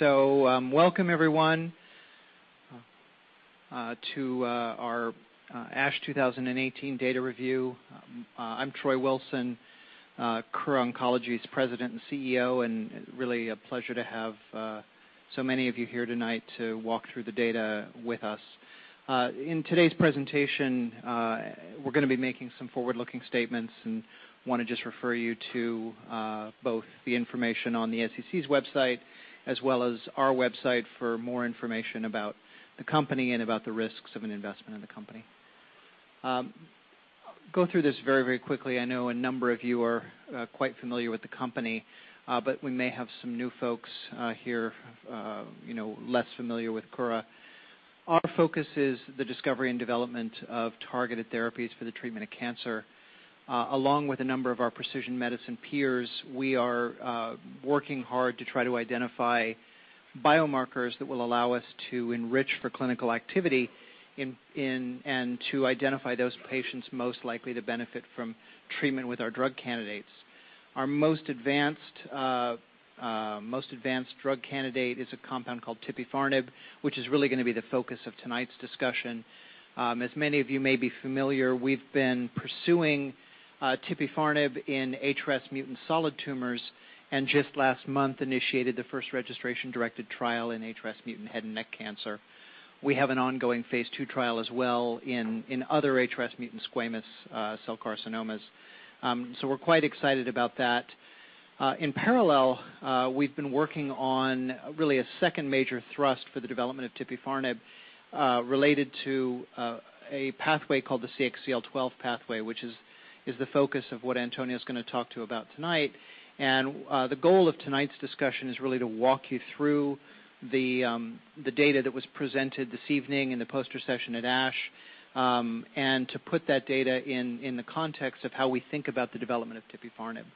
Welcome everyone to our ASH 2018 data review. I'm Troy Wilson, Kura Oncology's President and CEO, and really a pleasure to have so many of you here tonight to walk through the data with us. In today's presentation, we're going to be making some forward-looking statements, and want to just refer you to both the information on the SEC's website as well as our website for more information about the company and about the risks of an investment in the company. Go through this very quickly. I know a number of you are quite familiar with the company, but we may have some new folks here less familiar with Kura Oncology. Our focus is the discovery and development of targeted therapies for the treatment of cancer. Along with a number of our precision medicine peers, we are working hard to try to identify biomarkers that will allow us to enrich for clinical activity and to identify those patients most likely to benefit from treatment with our drug candidates. Our most advanced drug candidate is a compound called tipifarnib, which is really going to be the focus of tonight's discussion. As many of you may be familiar, we've been pursuing tipifarnib in HRAS-mutant solid tumors, and just last month initiated the first registration-directed trial in HRAS-mutant head and neck cancer. We have an ongoing phase II trial as well in other HRAS-mutant squamous cell carcinomas. We're quite excited about that. In parallel, we've been working on really a second major thrust for the development of tipifarnib, related to a pathway called the CXCL12 pathway, which is the focus of what Antonio Gualberto is going to talk to you about tonight. The goal of tonight's discussion is really to walk you through the data that was presented this evening in the poster session at ASH, and to put that data in the context of how we think about the development of tipifarnib.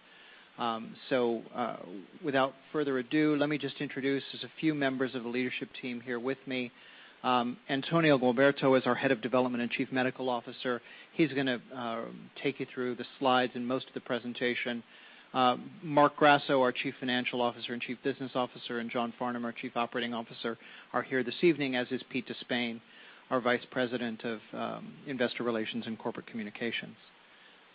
Without further ado, let me just introduce just a few members of the leadership team here with me. Antonio Gualberto is our Head of Development and Chief Medical Officer. He's going to take you through the slides and most of the presentation. Marc Grasso, our Chief Financial Officer and Chief Business Officer, and James Farnham, our Chief Operating Officer, are here this evening, as is Pete De Spain, our Vice President of Investor Relations and Corporate Communications.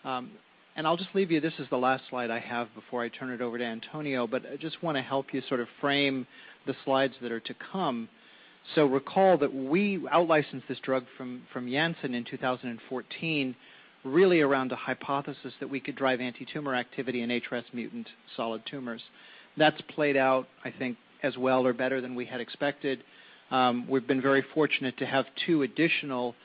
I'll just leave you, this is the last slide I have before I turn it over to Antonio Gualberto, but I just want to help you sort of frame the slides that are to come. Recall that we out-licensed this drug from Janssen in 2014, really around a hypothesis that we could drive anti-tumor activity in HRAS-mutant solid tumors. That's played out, I think, as well or better than we had expected. We've been very fortunate to have two additional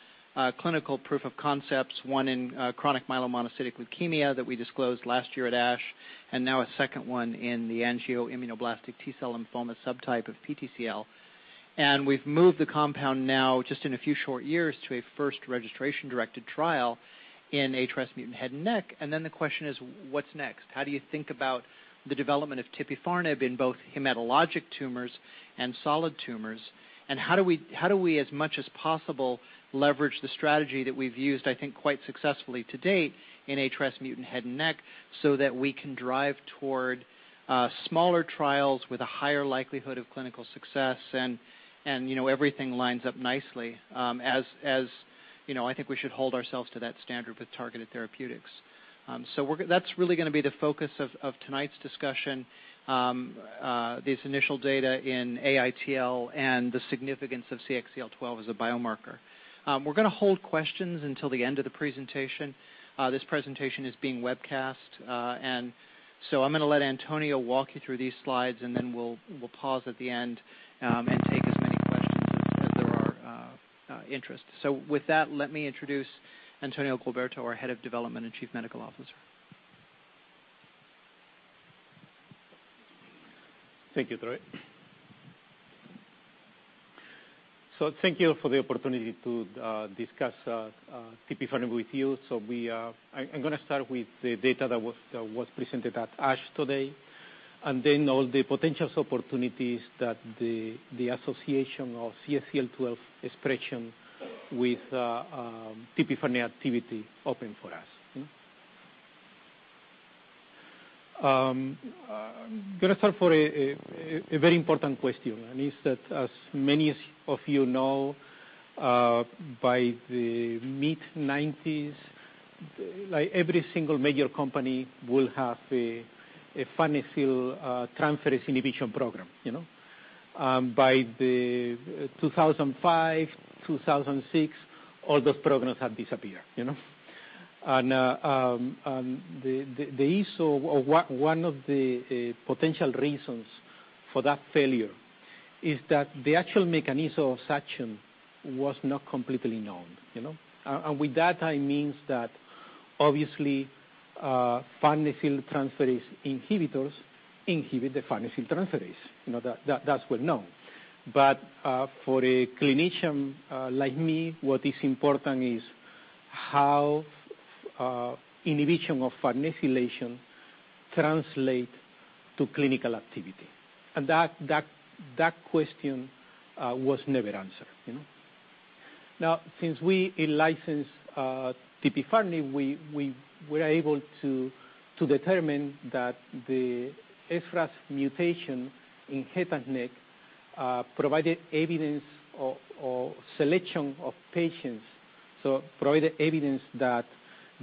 clinical proof of concepts, one in chronic myelomonocytic leukemia that we disclosed last year at ASH, and now a second one in the angioimmunoblastic T-cell lymphoma subtype of PTCL. We've moved the compound now just in a few short years to a first registration-directed trial in HRAS-mutant head and neck. Then the question is, what's next? How do you think about the development of tipifarnib in both hematologic tumors and solid tumors? How do we, as much as possible, leverage the strategy that we've used, I think, quite successfully to date in HRAS-mutant head and neck so that we can drive toward smaller trials with a higher likelihood of clinical success, and everything lines up nicely. As I think we should hold ourselves to that standard with targeted therapeutics. That's really going to be the focus of tonight's discussion, these initial data in AITL, and the significance of CXCL12 as a biomarker. We're going to hold questions until the end of the presentation. This presentation is being webcast. I'm going to let Antonio Gualberto walk you through these slides, then we'll pause at the end and take as many questions as there are interests. With that, let me introduce Antonio Gualberto, our Head of Development and Chief Medical Officer. Thank you, Troy Wilson. Thank you for the opportunity to discuss tipifarnib with you. I'm going to start with the data that was presented at ASH today, then all the potential opportunities that the association of CXCL12 expression with tipifarnib activity open for us. I'm going to start for a very important question, and is that, as many of you know, by the mid-1990s, every single major company will have a farnesyltransferase inhibition program. By 2005, 2006, all those programs have disappeared. One of the potential reasons for that failure is that the actual mechanism of action was not completely known. With that, I mean that obviously, farnesyltransferase inhibitors inhibit the farnesyltransferase. That's well-known. But for a clinician like me, what is important is how inhibition of farnesylation translate to clinical activity. That question was never answered. Now, since we in-licensed tipifarnib, we were able to determine that the HRAS mutation in head and neck provided evidence of selection of patients. Provided evidence that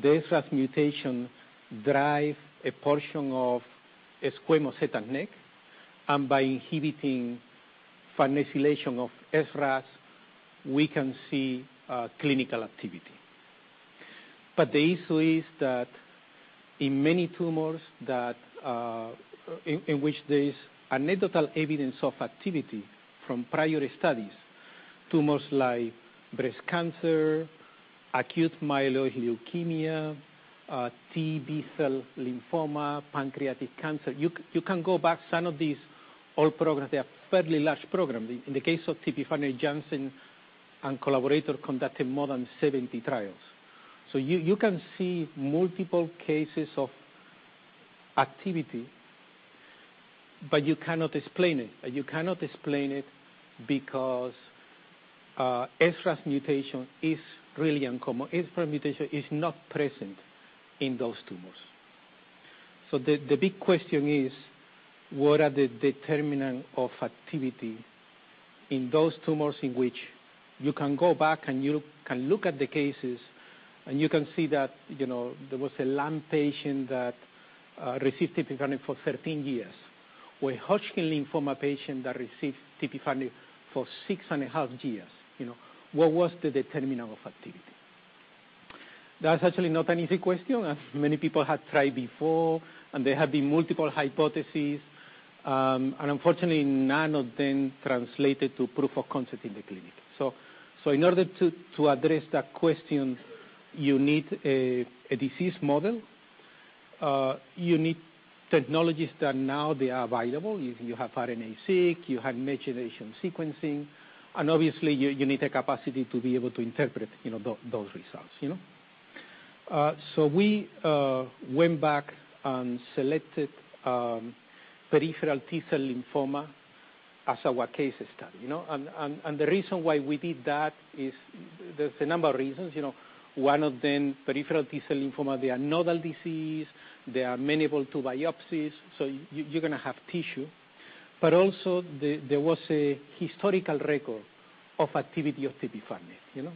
the HRAS mutation drives a portion of squamous head and neck, and by inhibiting farnesylation of HRAS, we can see clinical activity. But the issue is that in many tumors in which there is anecdotal evidence of activity from prior studies, tumors like breast cancer, acute myeloid leukemia, T-cell lymphoma, pancreatic cancer. You can go back, some of these old programs, they are fairly large programs. In the case of tipifarnib, Janssen and collaborator conducted more than 70 trials. You can see multiple cases of activity, but you cannot explain it. You cannot explain it because HRAS mutation is really uncommon. HRAS mutation is not present in those tumors. The big question is, what are the determinants of activity in those tumors in which you can go back and you can look at the cases and you can see that there was a lung patient that received tipifarnib for 13 years, or a Hodgkin lymphoma patient that received tipifarnib for six and a half years. What was the determinant of activity? That's actually not an easy question, as many people had tried before, and there have been multiple hypotheses, and unfortunately, none of them translated to proof of concept in the clinic. In order to address that question, you need a disease model. You need technologies that now they are available. You have RNA-seq, you have next-generation sequencing, and obviously, you need a capacity to be able to interpret those results. We went back and selected peripheral T-cell lymphoma as our case study. The reason why we did that is, there's a number of reasons. One of them, peripheral T-cell lymphoma, they are nodal disease, they are amenable to biopsies, you're going to have tissue. Also, there was a historical record of activity of tipifarnib.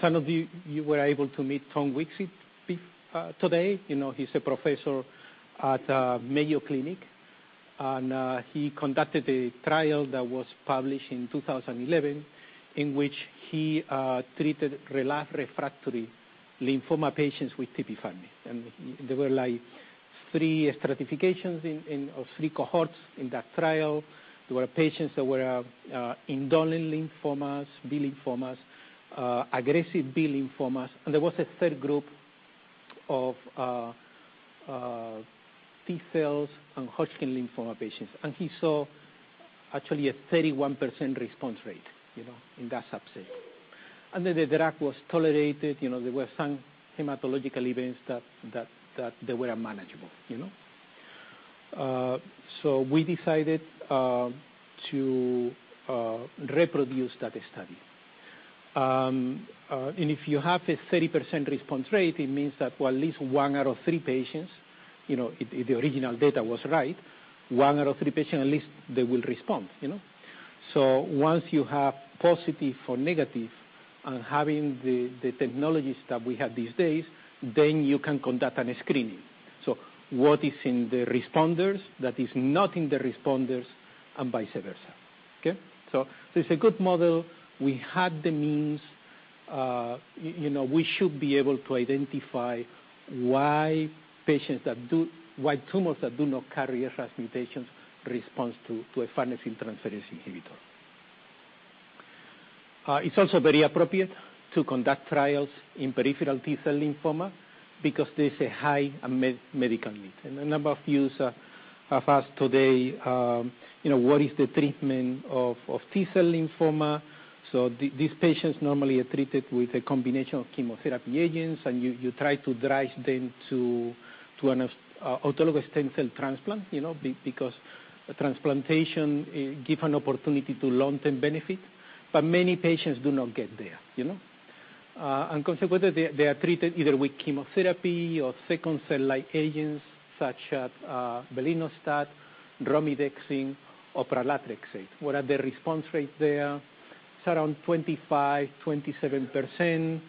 Some of you were able to meet Thomas Witzig today. He's a professor at Mayo Clinic, and he conducted a trial that was published in 2011, in which he treated relapsed refractory lymphoma patients with tipifarnib. There were three stratifications in, or three cohorts in that trial. There were patients that were indolent lymphomas, B lymphomas, aggressive B lymphomas, and there was a third group of T cells and Hodgkin lymphoma patients. He saw actually a 31% response rate in that subset. The drug was tolerated. There were some hematological events that were manageable. We decided to reproduce that study. If you have a 30% response rate, it means that for at least one out of three patients, if the original data was right, one out of three patients at least, they will respond. Once you have positive or negative and having the technologies that we have these days, you can conduct a screening. What is in the responders that is not in the responders, and vice versa. Okay? It's a good model. We had the means. We should be able to identify why tumors that do not carry HRAS mutations respond to a farnesyltransferase inhibitor. It's also very appropriate to conduct trials in peripheral T-cell lymphoma because there's a high medical need. A number of you have asked today what is the treatment of T-cell lymphoma? These patients normally are treated with a combination of chemotherapy agents, you try to drive them to an autologous stem cell transplant because transplantation gives an opportunity to long-term benefit. Many patients do not get there. Consequently, they are treated either with chemotherapy or second-line agents such as belinostat, romidepsin, or pralatrexate. What are the response rates there? It's around 25%, 27%.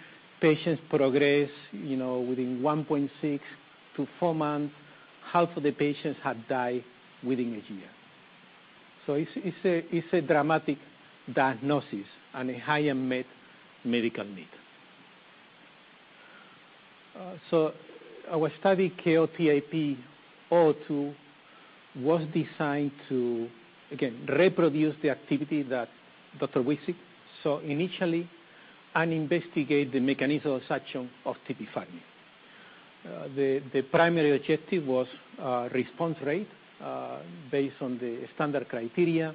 Patients progress within 1.6 to four months. Half of the patients have died within a year. It's a dramatic diagnosis and a higher medical need. Our study, KO-TIP-002, was designed to, again, reproduce the activity that Dr. Thomas Witzig saw initially and investigate the mechanism of action of tipifarnib. The primary objective was response rate based on the standard criteria.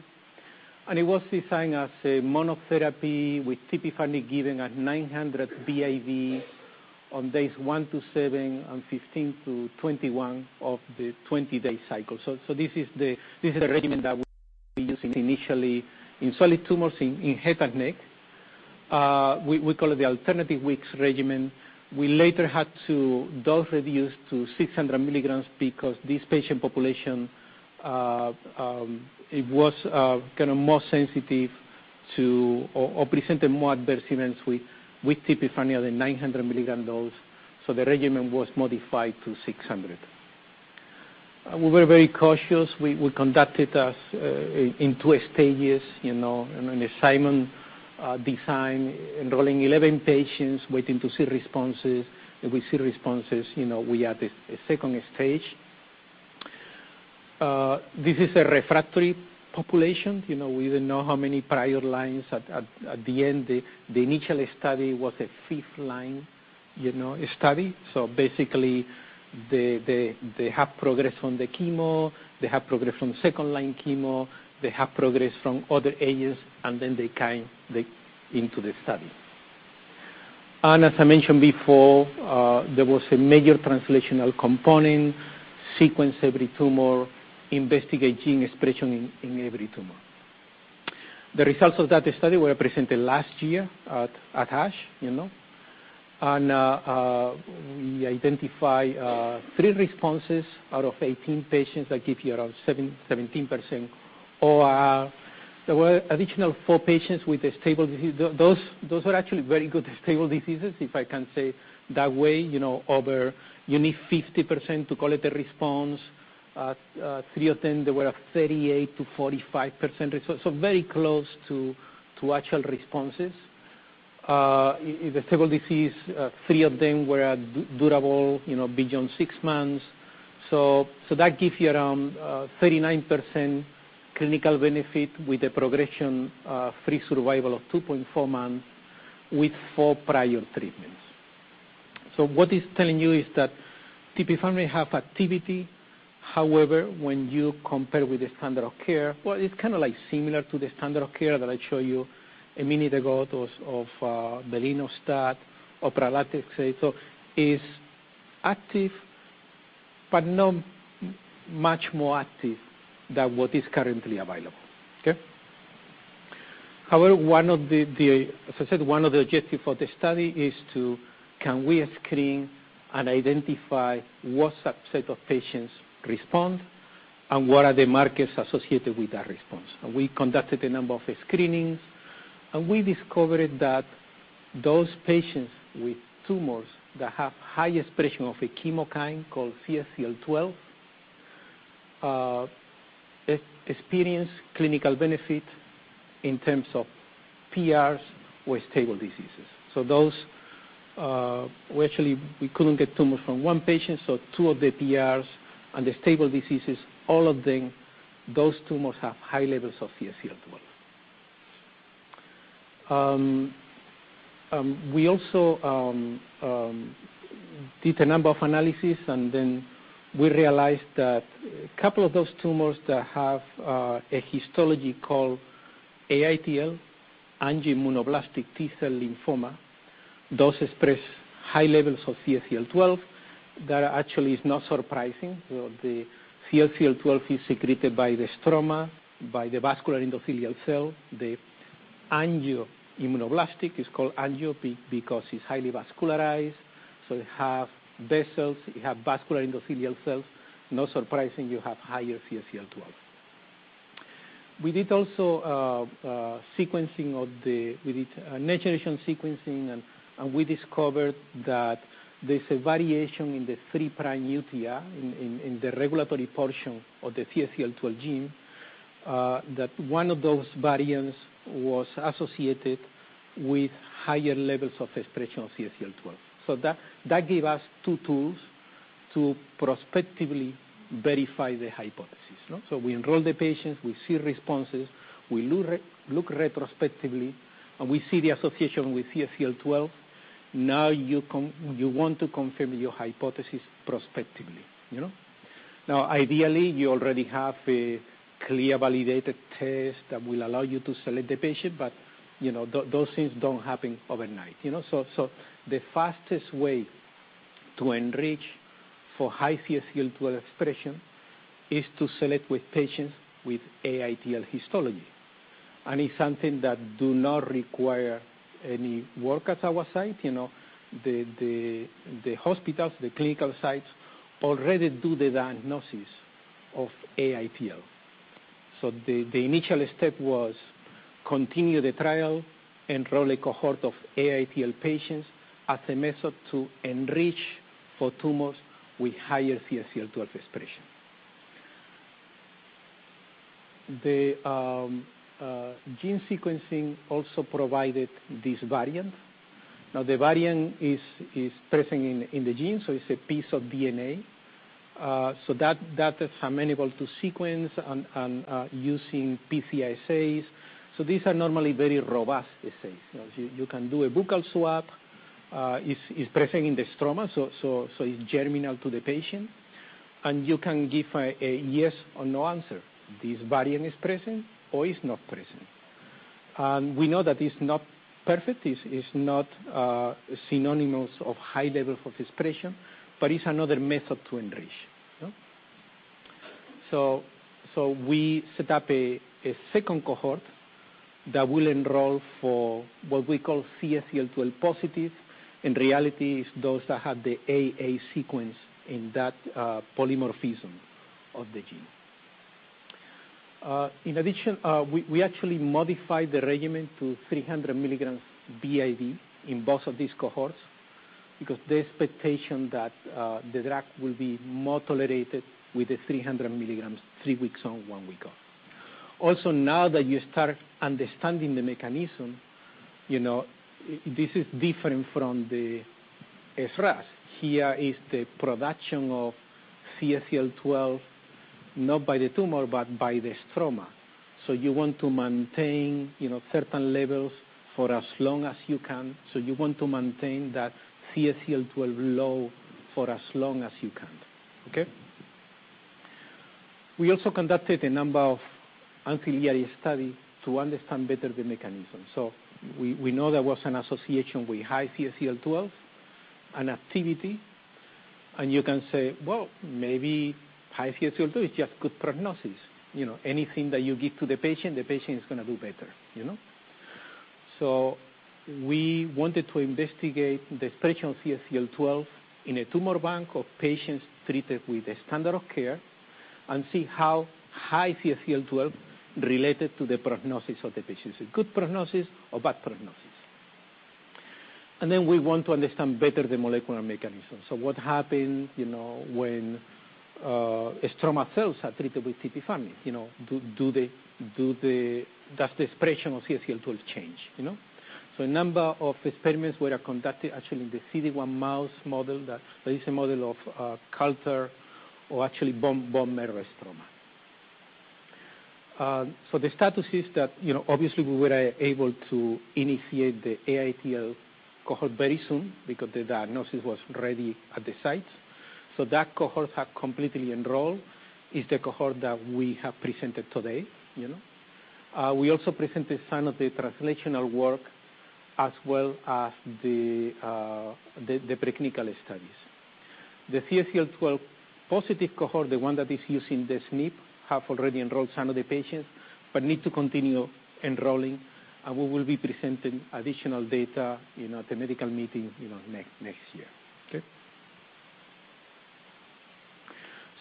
It was designed as a monotherapy with tipifarnib given at 900 BID on days one to secen and 15 to 21 of the 20-day cycle. This is the regimen that we're using initially in solid tumors in head and neck. We call it the alternative weeks regimen. We later had to dose reduce to 600 mg because this patient population, it was more sensitive to or presented more adverse events with tipifarnib than 900 mg dose, the regimen was modified to 600 mg. We were very cautious. We conducted this in two stages, an assignment design, enrolling 11 patients, waiting to see responses. If we see responses, we have a second stage. This is a refractory population. We didn't know how many prior lines at the end. The initial study was a fifth-line study. Basically, they have progressed from the chemo, they have progressed from second-line chemo, they have progressed from other agents, they came into the study. As I mentioned before, there was a major translational component, sequence every tumor, investigate gene expression in every tumor. The results of that study were presented last year at ASH. We identify three responses out of 18 patients. That give you around 17%. There were additional four patients with stable disease. Those were actually very good stable diseases, if I can say that way. You need 50% to call it a response. Three of them, they were 38%-45%, very close to actual responses. The stable disease, three of them were durable, beyond six months. That gives you around 39% clinical benefit with a progression-free survival of 2.4 months with four prior treatments. What it's telling you is that tipifarnib have activity. However, when you compare with the standard of care, well, it's kind of similar to the standard of care that I showed you a minute ago of belinostat or pralatrexate. Is active, but not much more active than what is currently available. Okay? However, one of the, as I said, one of the objective for the study is to, can we screen and identify what subset of patients respond and what are the markers associated with that response? We conducted a number of screenings, and we discovered that those patients with tumors that have high expression of a chemokine called CXCL12, experience clinical benefit in terms of PRs with stable diseases. Those, well, actually, we couldn't get tumors from one patient, two of the PRs and the stable diseases, all of them, those tumors have high levels of CXCL12. We also did a number of analysis, we realized that a couple of those tumors that have a histology called AITL, angioimmunoblastic T-cell lymphoma, those express high levels of CXCL12. That actually is not surprising. The CXCL12 is secreted by the stroma, by the vascular endothelial cell. The angioimmunoblastic is called angio because it's highly vascularized. It have vessels, it have vascular endothelial cells. No surprising you have higher CXCL12. We did also a next-generation sequencing, and we discovered that there's a variation in the three prime UTR, in the regulatory portion of the CXCL12 gene, that one of those variants was associated with higher levels of expression of CXCL12. That gave us two tools to prospectively verify the hypothesis. We enroll the patients, we see responses, we look retrospectively, and we see the association with CXCL12. You want to confirm your hypothesis prospectively. Ideally, you already have a clear validated test that will allow you to select the patient, but those things don't happen overnight. The fastest way to enrich for high CXCL12 expression is to select with patients with AITL histology. It's something that do not require any work at our site. The hospitals, the clinical sites already do the diagnosis of AITL. The initial step was continue the trial, enroll a cohort of AITL patients as a method to enrich for tumors with higher CXCL12 expression. The gene sequencing also provided this variant. The variant is present in the gene, so it's a piece of DNA. That is amenable to sequence and using PCR assays. These are normally very robust assays. You can do a buccal swab, is present in the stroma, so it's germinal to the patient, and you can give a yes or no answer. This variant is present or is not present. We know that it's not perfect. It's not synonymous of high level of expression, but it's another method to enrich. We set up a second cohort that will enroll for what we call CXCL12+. In reality, it's those that have the AA sequence in that polymorphism of the gene. In addition, we actually modified the regimen to 300 mg BID in both of these cohorts because the expectation that the drug will be more tolerated with the 300 mg, three weeks on, one week off. That you start understanding the mechanism, this is different from the HRAS. Here is the production of CXCL12, not by the tumor, but by the stroma. You want to maintain certain levels for as long as you can. You want to maintain that CXCL12 low for as long as you can. Okay? We also conducted a number of ancillary studies to understand better the mechanism. We know there was an association with high CXCL12, an activity, and you can say, "Well, maybe high CXCL12 is just good prognosis." Anything that you give to the patient, the patient is going to do better. We wanted to investigate the expression of CXCL12 in a tumor bank of patients treated with the standard of care and see how high CXCL12 related to the prognosis of the patients, a good prognosis or bad prognosis. We want to understand better the molecular mechanism. What happens when stroma cells are treated with tipifarnib? Does the expression of CXCL12 change? A number of experiments were conducted actually in the CD1 mouse model, that is a model of culture or actually bone marrow stroma. The status is that obviously we were able to initiate the AITL cohort very soon because the diagnosis was ready at the site. That cohort had completely enrolled, is the cohort that we have presented today. We also present some of the translational work as well as the preclinical studies. The CXCL12+ cohort, the one that is using the SNP, have already enrolled some of the patients, but need to continue enrolling, and we will be presenting additional data in a medical meeting next year.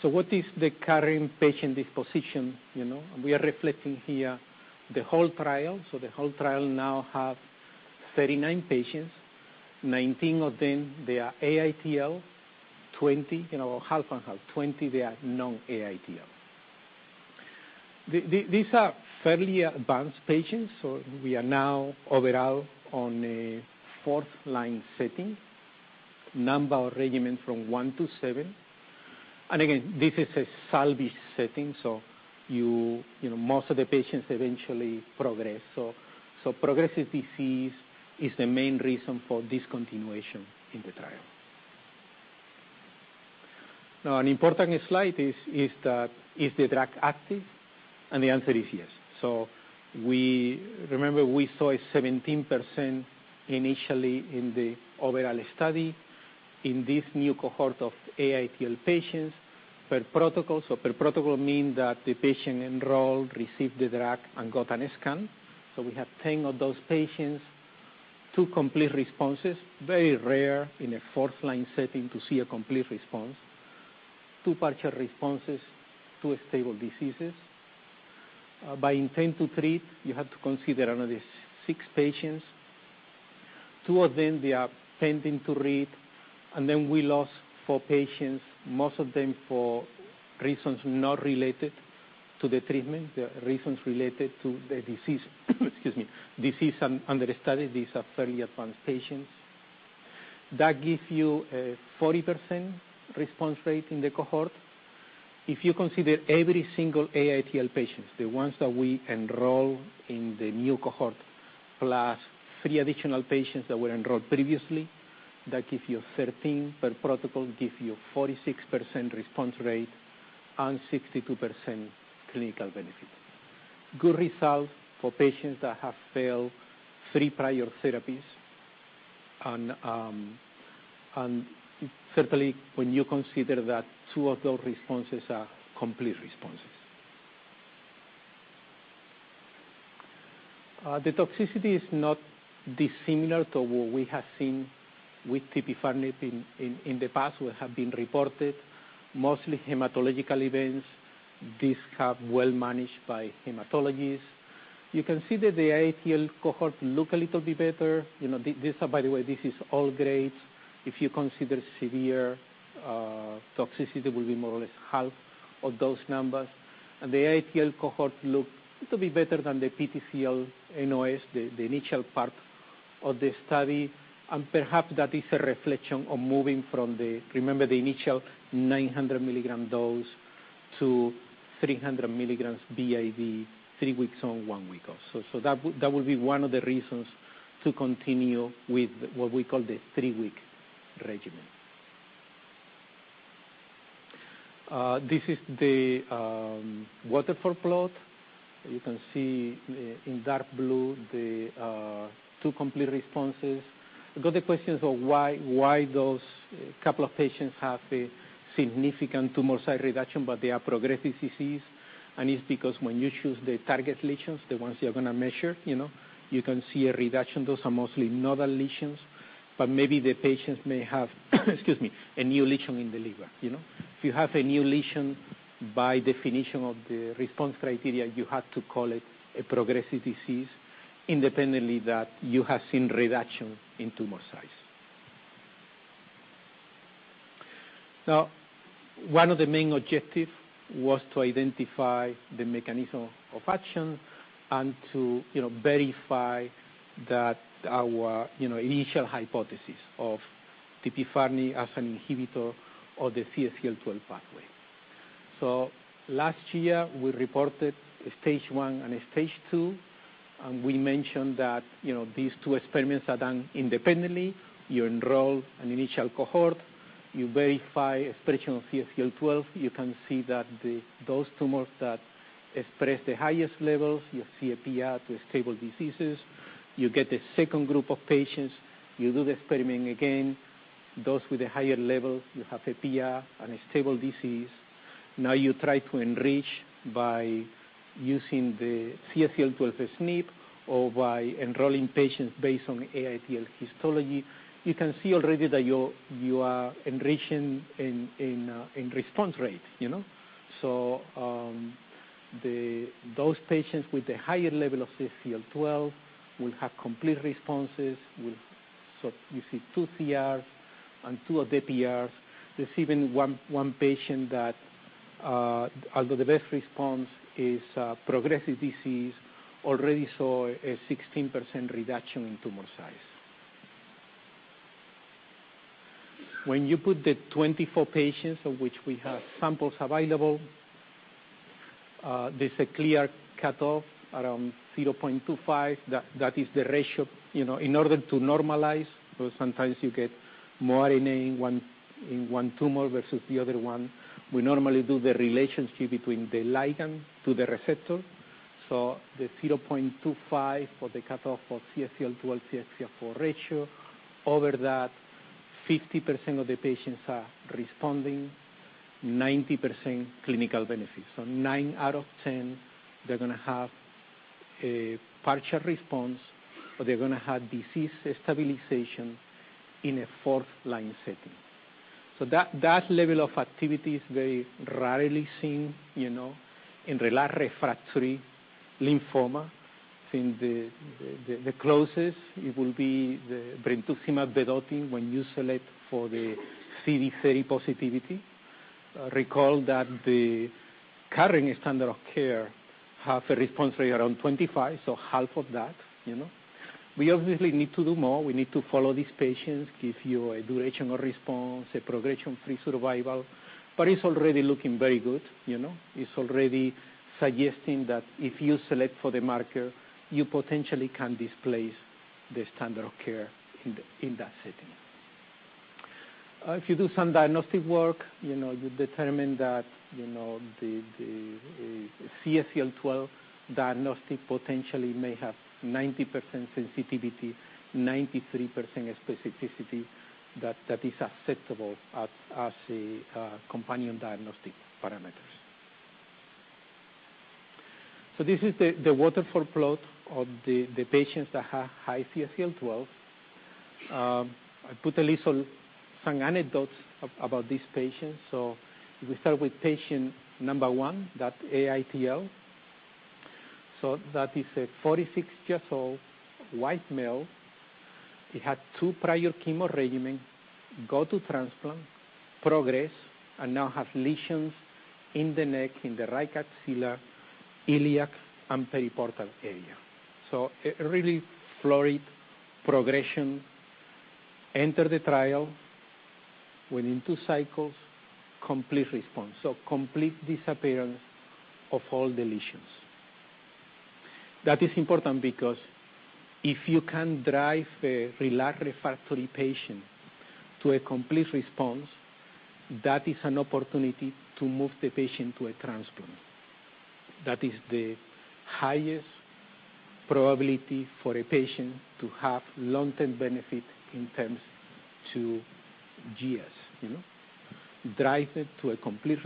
Okay? What is the current patient disposition? We are reflecting here the whole trial. The whole trial now have 39 patients. 19 of them, they are AITL. 20, half and half, they are non-AITL. These are fairly advanced patients. We are now overall on a fourth line setting, number regimen from one to seven. Again, this is a salvage setting, so most of the patients eventually progress. Progressive disease is the main reason for discontinuation in the trial. An important slide is that, is the drug active? The answer is yes. Remember, we saw a 17% initially in the overall study in this new cohort of AITL patients per protocol. Per protocol mean that the patient enrolled, received the drug, and got a scan. We have 10 of those patients, two complete responses. Very rare in a fourth line setting to see a complete response. Two partial responses, two stable diseases. Intent to treat, you have to consider another six patients. Two of them, they are pending to read. Then we lost four patients, most of them for reasons not related to the treatment. They are reasons related to the disease. Excuse me. Disease under study. These are fairly advanced patients. That gives you a 40% response rate in the cohort. If you consider every single AITL patient, the ones that we enroll in the new cohort, plus three additional patients that were enrolled previously, that gives you 13 per protocol, gives you a 46% response rate and 62% clinical benefit. Good results for patients that have failed three prior therapies, and certainly when you consider that two of those responses are complete responses. The toxicity is not dissimilar to what we have seen with tipifarnib in the past, what have been reported, mostly hematological events. These have well managed by hematologists. You can see that the AITL cohort look a little bit better. By the way, this is all grades. If you consider severe toxicity, that will be more or less half of those numbers. The AITL cohort look little bit better than the PTCL-NOS, the initial part of the study, and perhaps that is a reflection of moving from the, remember, the initial 900 mg dose to 300 mg BID, three weeks on, one week off. That would be one of the reasons to continue with what we call the three-week regimen. This is the waterfall plot. You can see in dark blue the two complete responses. We got the questions of why those couple of patients have a significant tumor size reduction, but they are progressive disease. It's because when you choose the target lesions, the ones you're going to measure, you can see a reduction. Those are mostly nodal lesions. Maybe the patients may have excuse me, a new lesion in the liver. If you have a new lesion, by definition of the response criteria, you have to call it a progressive disease independently that you have seen reduction in tumor size. One of the main objective was to identify the mechanism of action and to verify that our initial hypothesis of tipifarnib as an inhibitor of the CXCL12 pathway. Last year, we reported stage one and stage two, and we mentioned that these two experiments are done independently. You enroll an initial cohort, you verify expression of CXCL12. You can see that those tumors that express the highest levels, you see a PR to stable diseases. You get the second group of patients, you do the experiment again. Those with a higher level, you have PR and a stable disease. You try to enrich by using the CXCL12 SNP or by enrolling patients based on AITL histology. You can see already that you are enriching in response rate. Those patients with a higher level of CXCL12 will have complete responses. You see two PRs and two other PRs. There's even one patient that, although the best response is progressive disease, already saw a 16% reduction in tumor size. When you put the 24 patients of which we have samples available, there's a clear cutoff around 0.25. That is the ratio. In order to normalize, sometimes you get more RNA in one tumor versus the other one. We normally do the relationship between the ligand to the receptor. The 0.25 for the cutoff for CXCL12, CXCR4 ratio. Over that, 50% of the patients are responding, 90% clinical benefit. Nine out of 10, they're going to have a partial response, or they're going to have disease stabilization in a fourth-line setting. That level of activity is very rarely seen, in relapsed/refractory lymphoma. I think the closest it will be the brentuximab vedotin when you select for the CD30 positivity. Recall that the current standard of care have a response rate around 25, half of that. We obviously need to do more. We need to follow these patients, give you a duration of response, a progression-free survival, but it's already looking very good. It's already suggesting that if you select for the marker, you potentially can displace the standard of care in that setting. If you do some diagnostic work, you determine that the CXCL12 diagnostic potentially may have 90% sensitivity, 93% specificity, that is acceptable as a companion diagnostic parameters. This is the waterfall plot of the patients that have high CXCL12. I put a little, some anecdotes about these patients. If we start with patient number one, that AITL. That is a 46-years-old white male. He had two prior chemo regimen, go to transplant, progress, and now have lesions in the neck, in the right axilla, iliac, and periportal area. A really florid progression. Enter the trial within two cycles, complete response. Complete disappearance of all the lesions. That is important because if you can drive a relapsed/refractory patient to a complete response, that is an opportunity to move the patient to a transplant. That is the highest probability for a patient to have long-term benefit in terms to years. Drive it to a complete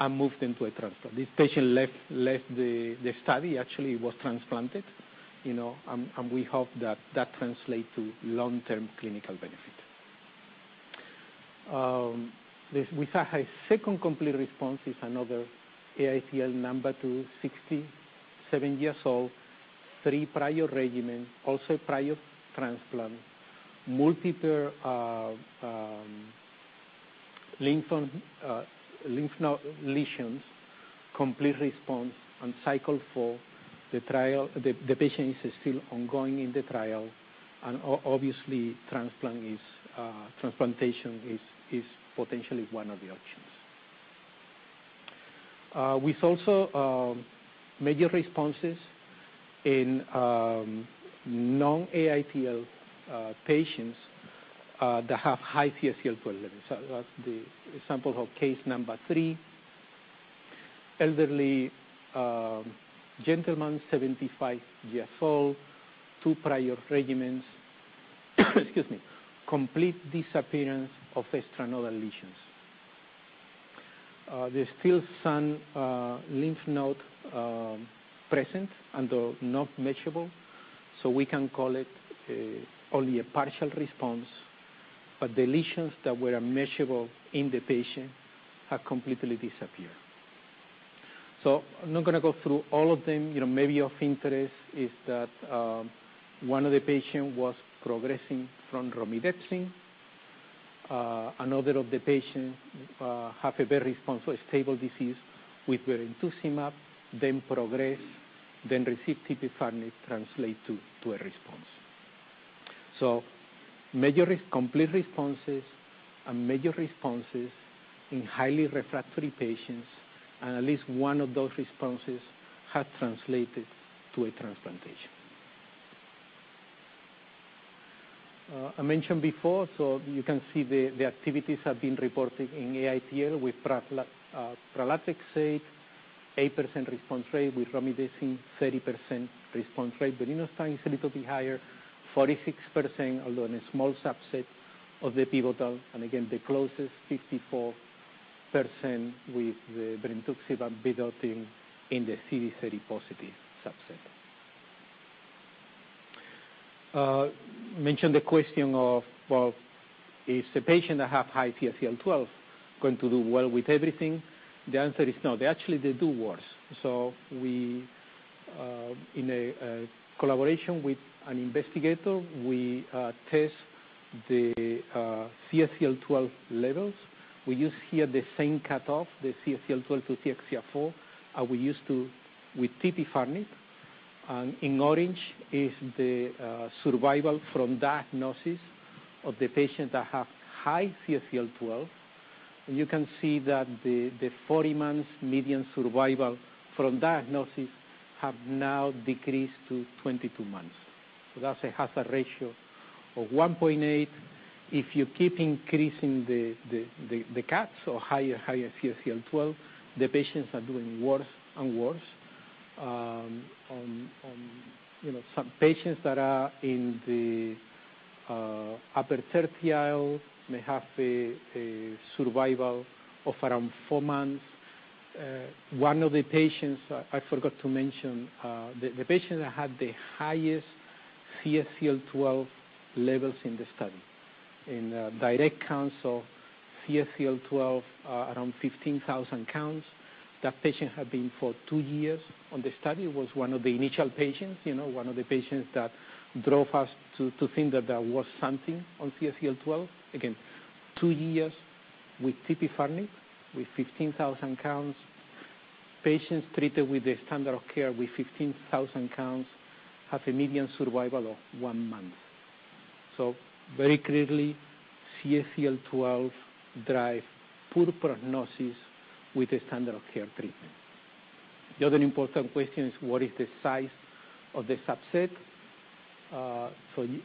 response and move them to a transplant. This patient left the study, actually was transplanted, and we hope that translates to long-term clinical benefit. We saw a second complete response is another AITL number two, 67 years old, three prior regimen, also prior transplant, multiple lymph node lesions, complete response on cycle four. The patient is still ongoing in the trial, and obviously transplantation is potentially one of the options. With also major responses in non-AITL patients that have high CXCL12 levels. That's the example of case number three. Elderly gentleman, 75 years old, two prior regimens. Excuse me. Complete disappearance of the sternal lesions. There's still some lymph node present, although not measurable, we can call it only a partial response. But the lesions that were measurable in the patient have completely disappeared. I'm not going to go through all of them. Maybe of interest is that one of the patients was progressing from romidepsin. Another of the patients had a very responsive, stable disease with brentuximab vedotin, then progressed, then received tipifarnib, translate to a response. Major complete responses and major responses in highly refractory patients, and at least one of those responses had translated to a transplantation. I mentioned before, you can see the activities have been reported in AITL with pralatrexate, 8% response rate, with romidepsin 30% response rate. Lenalidomide is a little bit higher, 46%, although in a small subset of the pivotal, and again, the closest 54% with the brentuximab vedotin without in the CD30+ subset. Mentioned the question of, well, if the patient that have high CXCL12 going to do well with everything? The answer is no. They actually do worse. In a collaboration with an investigator, we test the CXCL12 levels. We use here the same cutoff, the CXCL12 to CXCR4, we used with tipifarnib. And in orange is the survival from diagnosis of the patients that have high CXCL12. You can see that the 40 months median survival from diagnosis have now decreased to 22 months. That's a hazard ratio of 1.8. If you keep increasing the cut, so higher CXCL12, the patients are doing worse and worse. Some patients that are in the upper tertile may have a survival of around four months. One of the patients, I forgot to mention, the patient that had the highest CXCL12 levels in the study. In direct count, CXCL12, around 15,000 counts. That patient had been for two years on the study, was one of the initial patients, one of the patients that drove us to think that there was something on CXCL12. Again, two years with tipifarnib, with 15,000 counts. Patients treated with the standard of care with 15,000 counts have a median survival of one month. Very clearly, CXCL12 drive poor prognosis with the standard of care treatment. The other important question is what is the size of the subset?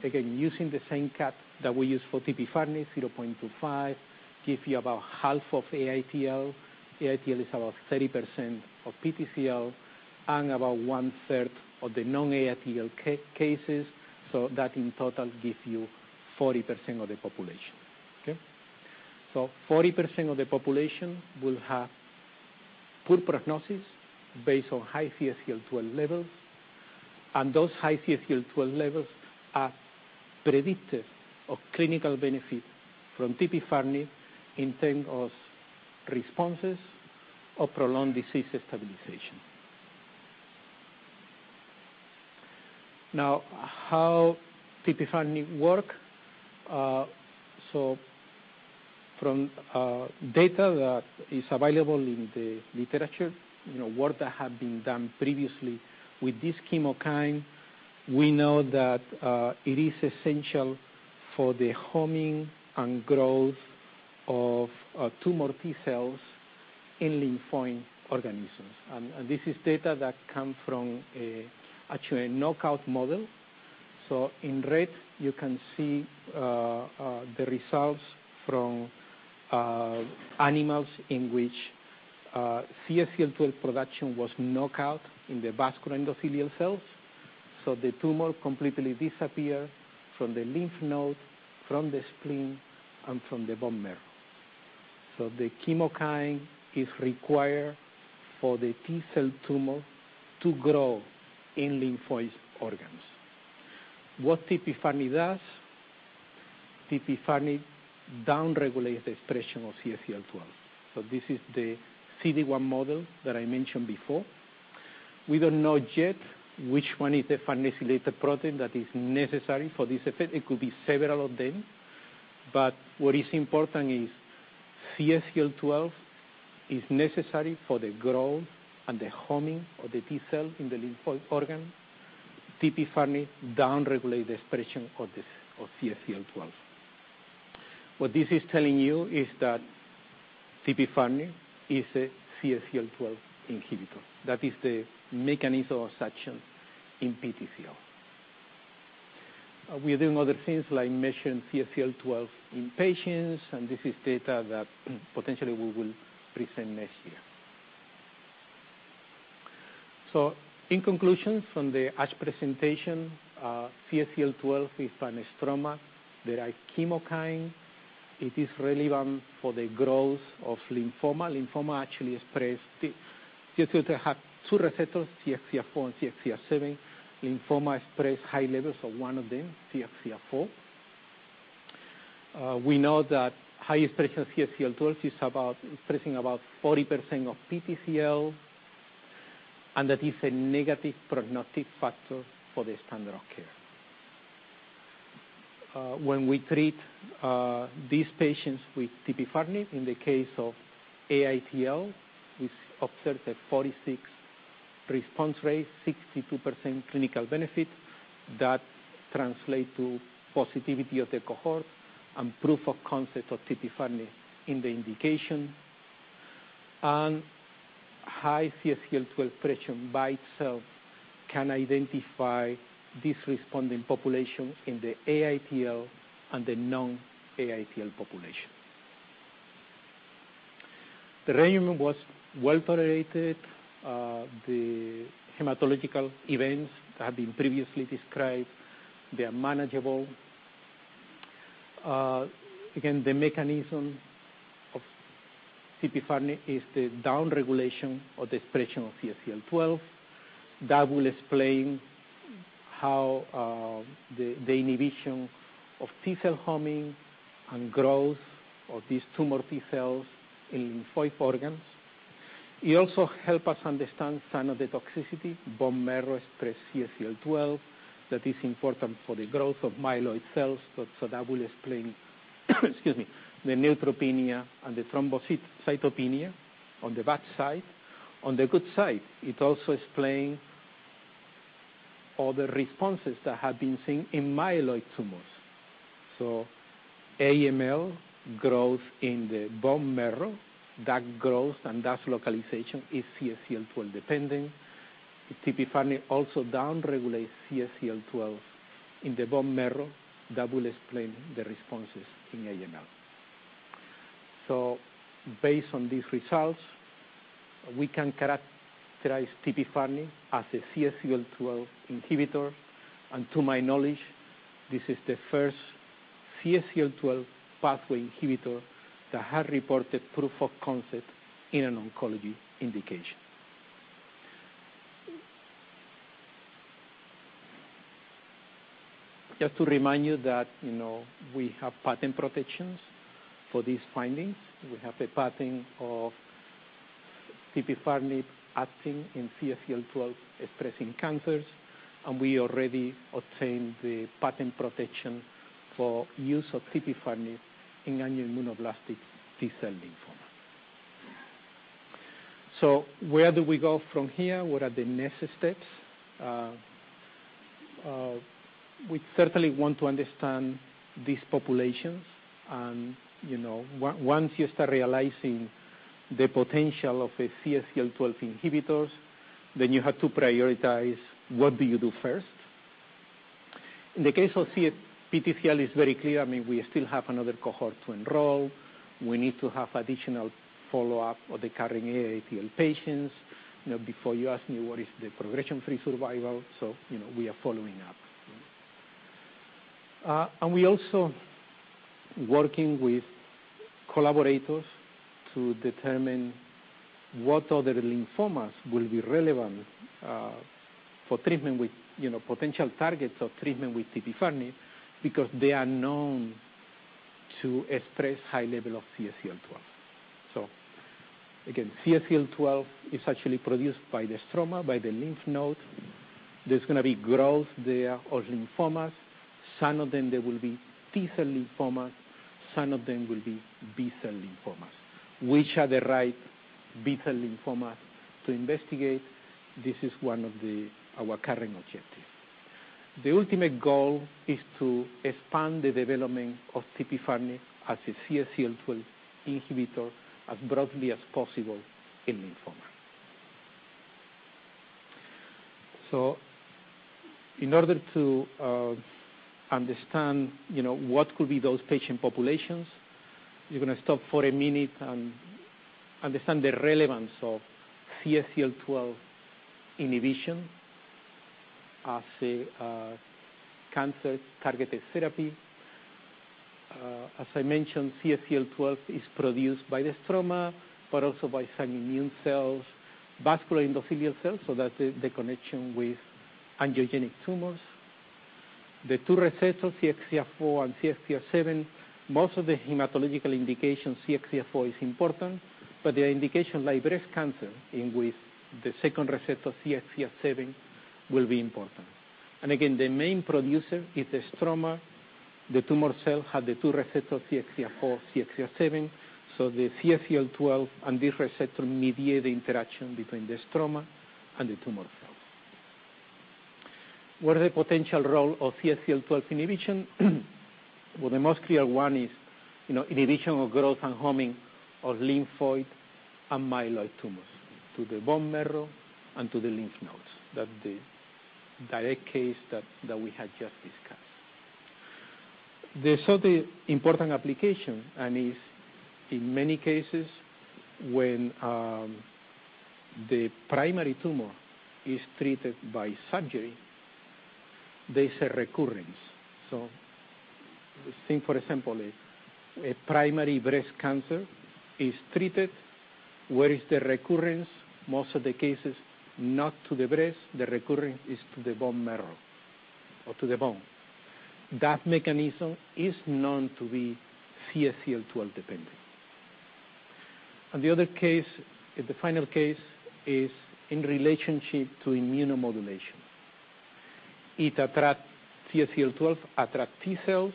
Again, using the same cut that we used for tipifarnib, 0.25, give you about half of AITL. AITL is about 30% of PTCL and about one-third of the non-AITL cases. That in total gives you 40% of the population. Okay. 40% of the population will have poor prognosis based on high CXCL12 levels, and those high CXCL12 levels are predictive of clinical benefit from tipifarnib in terms of responses or prolonged disease stabilization. Now, how tipifarnib work. From data that is available in the literature, work that had been done previously with this chemokine, we know that it is essential for the homing and growth of tumor T cells in lymphoid organisms. This is data that come from actually a knockout model. In red, you can see the results from animals in which CXCL12 production was knocked out in the vascular endothelial cells. The tumor completely disappear from the lymph node, from the spleen, and from the bone marrow. The chemokine is required for the T cell tumor to grow in lymphoid organs. What tipifarnib does, tipifarnib down-regulates the expression of CXCL12. This is the CD1 model that I mentioned before. We don't know yet which one is the farnesylated protein that is necessary for this effect. It could be several of them. What is important is CXCL12 is necessary for the growth and the homing of the T cell in the lymphoid organ. tipifarnib down-regulates the expression of CXCL12. What this is telling you is that tipifarnib is a CXCL12 inhibitor. That is the mechanism of action in PTCL. We are doing other things like measuring CXCL12 in patients, this is data that potentially we will present next year. In conclusion, from the ASH presentation, CXCL12 is by the stroma. There are chemokine. It is relevant for the growth of lymphoma. CXCL12 have two receptors, CXCR4 and CXCR7. Lymphoma express high levels of one of them, CXCR4. We know that high expression CXCL12 is expressing about 40% of PTCL, that is a negative prognostic factor for the standard of care. When we treat these patients with tipifarnib, in the case of AITL, we observe a 46 response rate, 62% clinical benefit. That translate to positivity of the cohort and proof of concept of tipifarnib in the indication. High CXCL12 expression by itself can identify this responding population in the AITL and the non-AITL population. The regimen was well-tolerated. The hematological events have been previously described. They are manageable. Again, the mechanism of tipifarnib is the downregulation of the expression of CXCL12. That will explain how the inhibition of T cell homing and growth of these tumor T cells in lymphoid organs. It also help us understand some of the toxicity. Bone marrow express CXCL12 that is important for the growth of myeloid cells. That will explain excuse me, the neutropenia and the thrombocytopenia on the bad side. On the good side, it also explain all the responses that have been seen in myeloid tumors. AML growth in the bone marrow, that growth and that localization is CXCL12-dependent. tipifarnib also downregulates CXCL12 in the bone marrow. That will explain the responses in AML. Based on these results, we can characterize tipifarnib as a CXCL12 inhibitor, to my knowledge, this is the first CXCL12 pathway inhibitor that had reported proof of concept in an oncology indication. Just to remind you that we have patent protections for these findings. We have a patent of tipifarnib acting in CXCL12-expressing cancers, we already obtained the patent protection for use of tipifarnib in angioimmunoblastic T-cell lymphoma. Where do we go from here? What are the next steps? We certainly want to understand these populations. Once you start realizing the potential of the CXCL12 inhibitors, you have to prioritize what do you do first. In the case of PTCL, is very clear, we still have another cohort to enroll. We need to have additional follow-up of the current AITL patients before you ask me what is the progression-free survival. We are following up. We also working with collaborators to determine what other lymphomas will be relevant for potential targets of treatment with tipifarnib because they are known to express high level of CXCL12. Again, CXCL12 is actually produced by the stroma, by the lymph node. There's going to be growth there of lymphomas. Some of them will be T-cell lymphomas, some of them will be B-cell lymphomas, which are the right B-cell lymphoma to investigate. This is one of our current objectives. The ultimate goal is to expand the development of tipifarnib as a CXCL12 inhibitor as broadly as possible in lymphoma. In order to understand what could be those patient populations, we're going to stop for a minute and understand the relevance of CXCL12 inhibition as a cancer-targeted therapy. As I mentioned, CXCL12 is produced by the stroma, but also by some immune cells, vascular endothelial cells, so that's the connection with angiogenic tumors. The two receptors, CXCR4 and CXCR7, most of the hematological indications CXCR4 is important, but the indication like breast cancer in which the second receptor CXCR7 will be important. Again, the main producer is the stroma. The tumor cell have the two receptor CXCR4, CXCR7. The CXCL12 and this receptor mediate the interaction between the stroma and the tumor cell. What are the potential role of CXCL12 inhibition? The most clear one is inhibition of growth and homing of lymphoid and myeloid tumors to the bone marrow and to the lymph nodes. That's the direct case that we had just discussed. The third important application is in many cases when the primary tumor is treated by surgery, there's a recurrence. Think, for example, if a primary breast cancer is treated, where is the recurrence? Most of the cases, not to the breast. The recurrence is to the bone marrow or to the bone. That mechanism is known to be CXCL12 dependent. The other case, the final case, is in relationship to immunomodulation. It attracts CXCL12, attract T cells,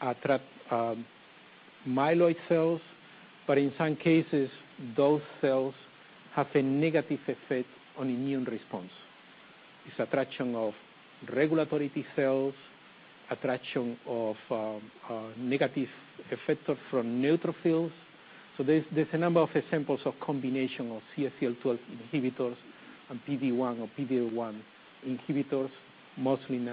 attract myeloid cells. In some cases, those cells have a negative effect on immune response. It's attraction of regulatory T cells, attraction of negative effectors from neutrophils. There's a number of examples of combination of CXCL12 inhibitors and PD-1 or PD-L1 inhibitors, mostly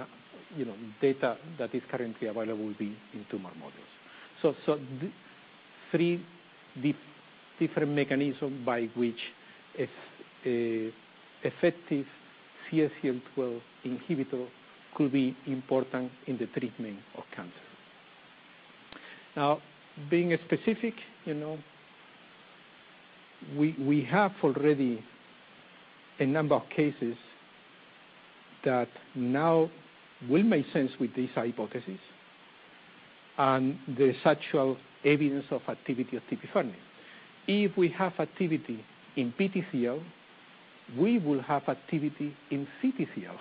data that is currently available in tumor models. Three different mechanisms by which effective CXCL12 inhibitor could be important in the treatment of cancer. Now being specific, we have already a number of cases that now will make sense with this hypothesis and the actual evidence of activity of tipifarnib. If we have activity in PTCL, we will have activity in CTCL.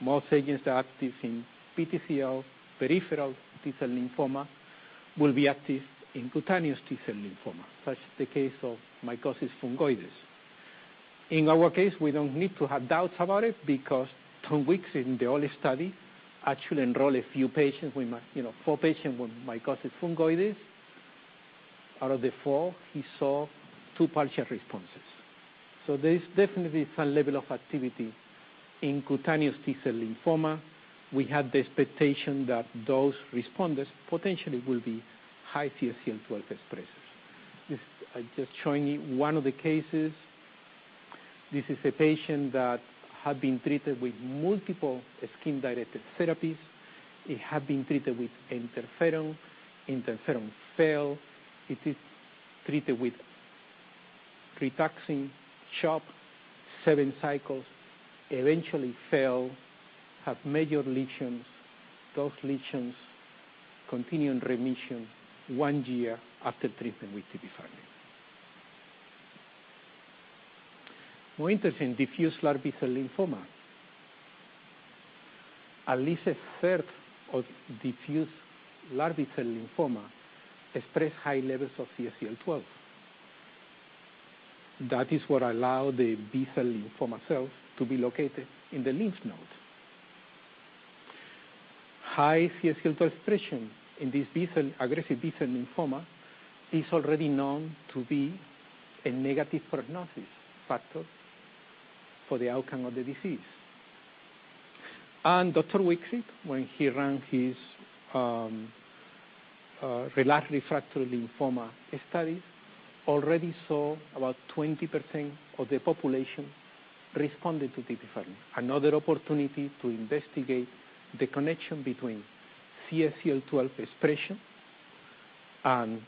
Most agents are active in PTCL. Peripheral T-cell lymphoma will be active in cutaneous T-cell lymphoma, such the case of mycosis fungoides. In our case, we don't need to have doubts about it, because Thomas Witzig in the early study, actually enrolled a few patients, four patients with mycosis fungoides. Out of the four, he saw two partial responses. There is definitely some level of activity in cutaneous T-cell lymphoma. We have the expectation that those responders potentially will be high CXCL12 expressers. I'm just showing you one of the cases. This is a patient that had been treated with multiple skin-directed therapies. He had been treated with interferon. Interferon failed. He was treated with Rituxan, CHOP, seven cycles, eventually failed, had major lesions. Those lesions continue in remission one year after treatment with tipifarnib. More interesting, diffuse large B-cell lymphoma. At least a third of diffuse large B-cell lymphoma express high levels of CXCL12. That is what allow the B-cell lymphoma cells to be located in the lymph nodes. High CXCL12 expression in this aggressive B-cell lymphoma is already known to be a negative prognosis factor for the outcome of the disease. Dr. Thomas Witzig, when he ran his relapse refractory lymphoma studies, already saw about 20% of the population responded to tipifarnib. Another opportunity to investigate the connection between CXCL12 expression and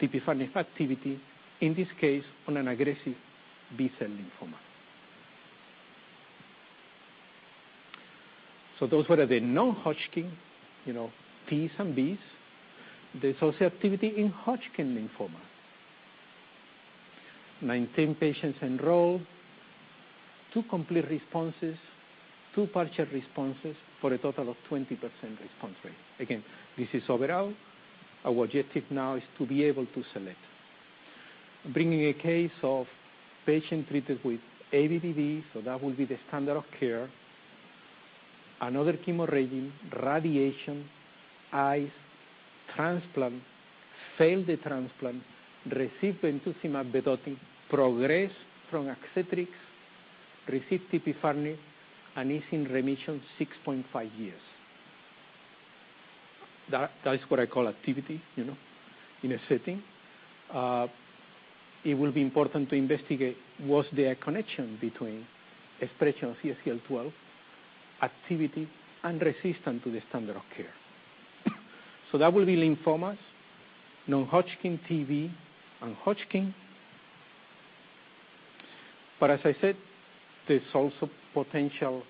tipifarnib activity, in this case, on an aggressive B-cell lymphoma. Those were the non-Hodgkin, Ts and Bs. There's also activity in Hodgkin lymphoma. 19 patients enrolled, two complete responses, two partial responses for a total of 20% response rate. Again, this is overall. Our objective now is to be able to select. Bringing a case of patient treated with ABVD, that will be the standard of care. Another chemo regimen, radiation, ICE, transplant, failed the transplant, received brentuximab vedotin, progressed, strong axitrix, received tipifarnib, and is in remission 6.5 years. That is what I call activity in a setting. It will be important to investigate, was there a connection between expression of CXCL12 activity and resistance to the standard of care? That will be lymphomas, non-Hodgkin TV, and Hodgkin. As I said, there's also potential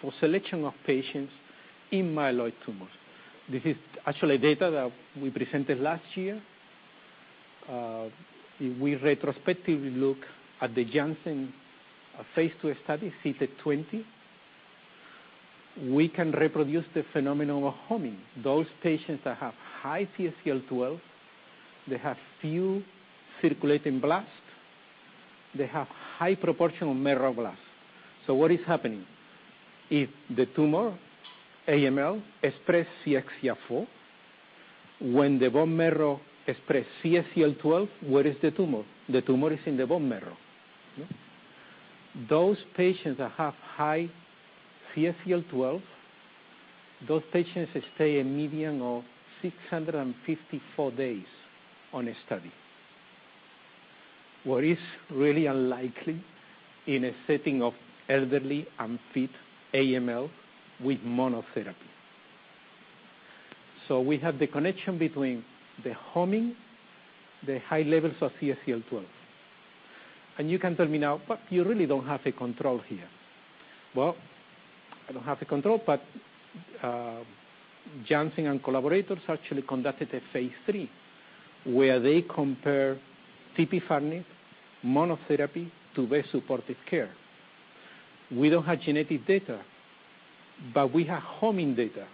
for selection of patients in myeloid tumors. This is actually data that we presented last year. We retrospectively look at the Janssen phase II study, CITA 20. We can reproduce the phenomenon of homing. Those patients that have high CXCL12, they have few circulating blasts. They have high proportion of marrow blasts. What is happening? If the tumor AML express CXCR4, when the bone marrow express CXCL12, where is the tumor? The tumor is in the bone marrow. Those patients that have high CXCL12, those patients stay a median of 654 days on a study, what is really unlikely in a setting of elderly unfit AML with monotherapy. We have the connection between the homing, the high levels of CXCL12. You can tell me now, "You really don't have a control here." Well, I don't have a control, but Janssen and collaborators actually conducted a phase III where they compare tipifarnib monotherapy to best supportive care. We don't have genetic data, but we have homing data.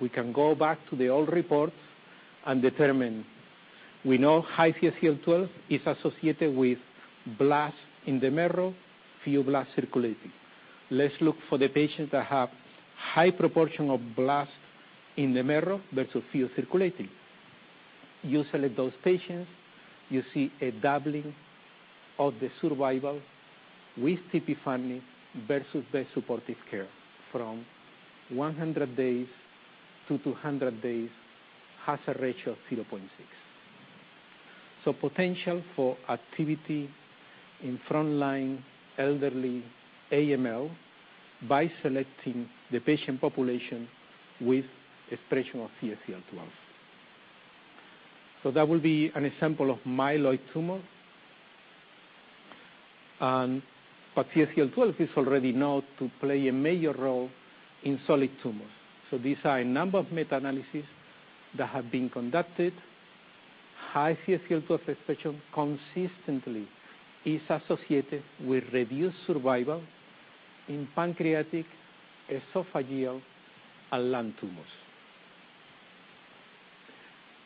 We can go back to the old reports and determine. We know high CXCL12 is associated with blasts in the marrow, few blasts circulating. Let's look for the patients that have high proportion of blast in the marrow versus few circulating. You select those patients, you see a doubling of the survival with tipifarnib versus best supportive care from 100 days to 200 days, hazard ratio of 0.6. Potential for activity in frontline elderly AML by selecting the patient population with expression of CXCL12. That will be an example of myeloid tumor. CXCL12 is already known to play a major role in solid tumors. These are a number of meta-analysis that have been conducted. High CXCL12 expression consistently is associated with reduced survival in pancreatic, esophageal, and lung tumors.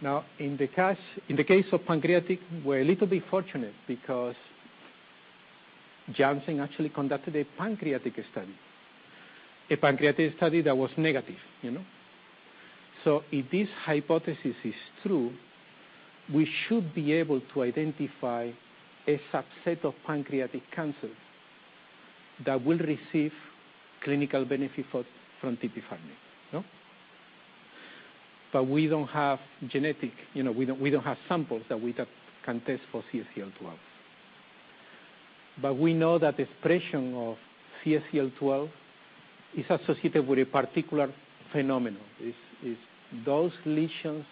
Now, in the case of pancreatic, we're a little bit fortunate because Janssen actually conducted a pancreatic study, a pancreatic study that was negative. If this hypothesis is true, we should be able to identify a subset of pancreatic cancer that will receive clinical benefit from tipifarnib. We don't have samples that we can test for CXCL12. We know that expression of CXCL12 is associated with a particular phenomenon, those lesions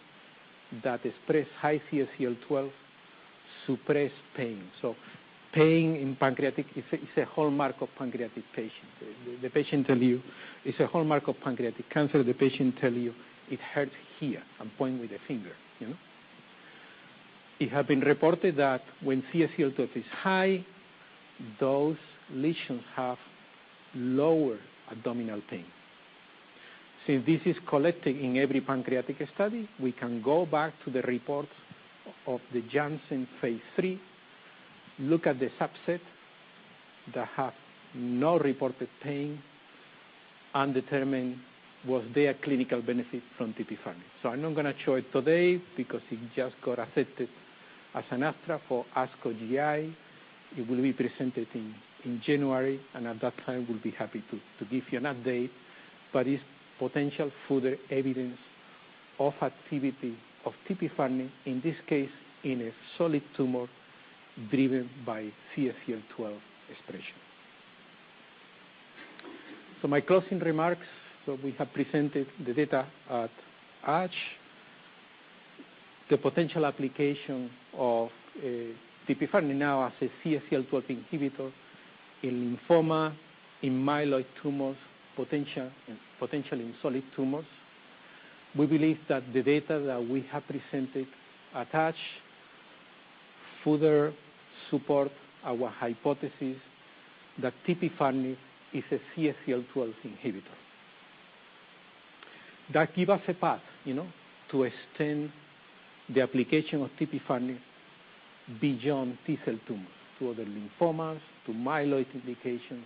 that express high CXCL12 suppress pain. Pain in pancreatic is a hallmark of pancreatic patient. The patient tell you it's a hallmark of pancreatic cancer. The patient tell you, "It hurts here," and point with a finger. It had been reported that when CXCL12 is high, those lesions have lower abdominal pain. Since this is collected in every pancreatic study, we can go back to the reports of the Janssen phase III, look at the subset that have no reported pain, and determine was there a clinical benefit from tipifarnib. I'm not going to show it today because it just got accepted as an abstract for ASCO GI. It will be presented in January, and at that time, we'll be happy to give you an update. It's potential further evidence of activity of tipifarnib, in this case, in a solid tumor driven by CXCL12 expression. My closing remarks, we have presented the data at ASH, the potential application of tipifarnib now as a CXCL12 inhibitor in lymphoma, in myeloid tumors, potential in solid tumors. We believe that the data that we have presented at ASH further support our hypothesis that tipifarnib is a CXCL12 inhibitor. That give us a path to extend the application of tipifarnib beyond T-cell tumors to other lymphomas, to myeloid indications,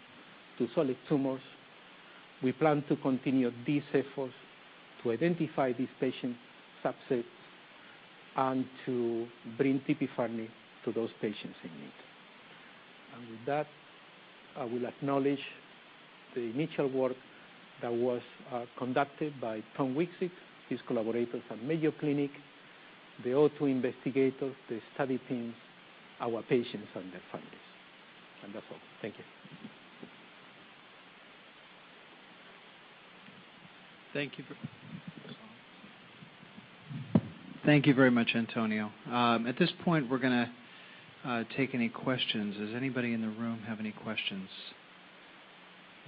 to solid tumors. We plan to continue these efforts to identify these patient subsets and to bring tipifarnib to those patients in need. With that, I will acknowledge the initial work that was conducted by Thomas Witzig, his collaborators at Mayo Clinic, the auto investigators, the study teams, our patients, and their families. That's all. Thank you. Thank you very much, Antonio Gualberto. At this point, we're going to take any questions. Does anybody in the room have any questions?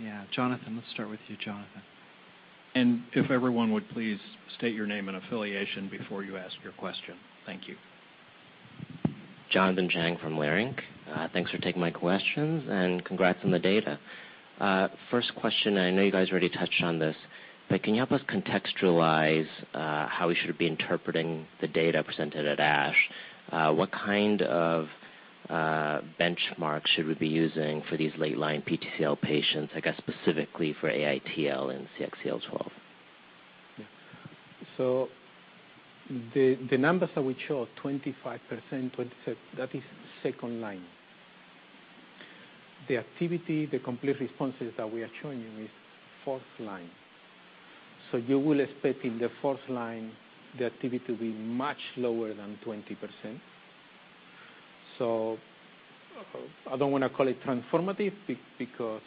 Yeah, Jonathan Chang. Let's start with you, Jonathan. If everyone would please state your name and affiliation before you ask your question. Thank you. Jonathan Chang from Leerink. Thanks for taking my questions and congrats on the data. First question, I know you guys already touched on this, can you help us contextualize how we should be interpreting the data presented at ASH? What kind of benchmark should we be using for these late-line PTCL patients? I guess specifically for AITL and CXCL12. The numbers that we show, 25%, that is second line. The activity, the complete responses that we are showing you is fourth line. You will expect in the fourth line, the activity to be much lower than 20%. I don't want to call it transformative because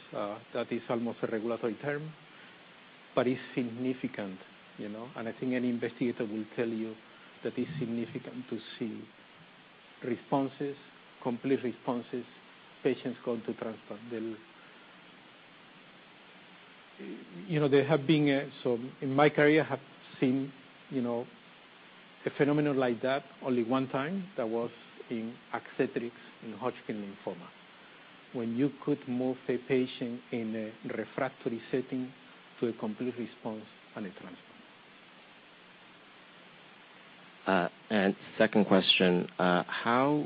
that is almost a regulatory term, but it's significant. I think any investigator will tell you that it's significant to see responses, complete responses, patients going to transplant. In my career, I have seen a phenomenon like that only one time. That was in ADCETRIS in Hodgkin lymphoma, when you could move a patient in a refractory setting to a complete response and a transplant. Second question, how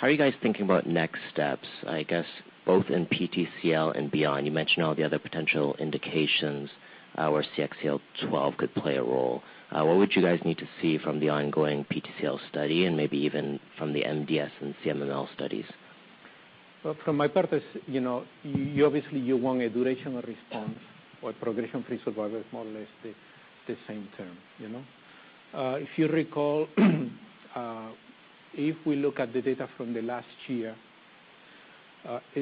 are you guys thinking about next steps, I guess both in PTCL and beyond? You mentioned all the other potential indications where CXCL12 could play a role. What would you guys need to see from the ongoing PTCL study and maybe even from the MDS and CMML studies? From my part, obviously you want a durational response or progression-free survival is more or less the same term. If you recall, if we look at the data from the last year,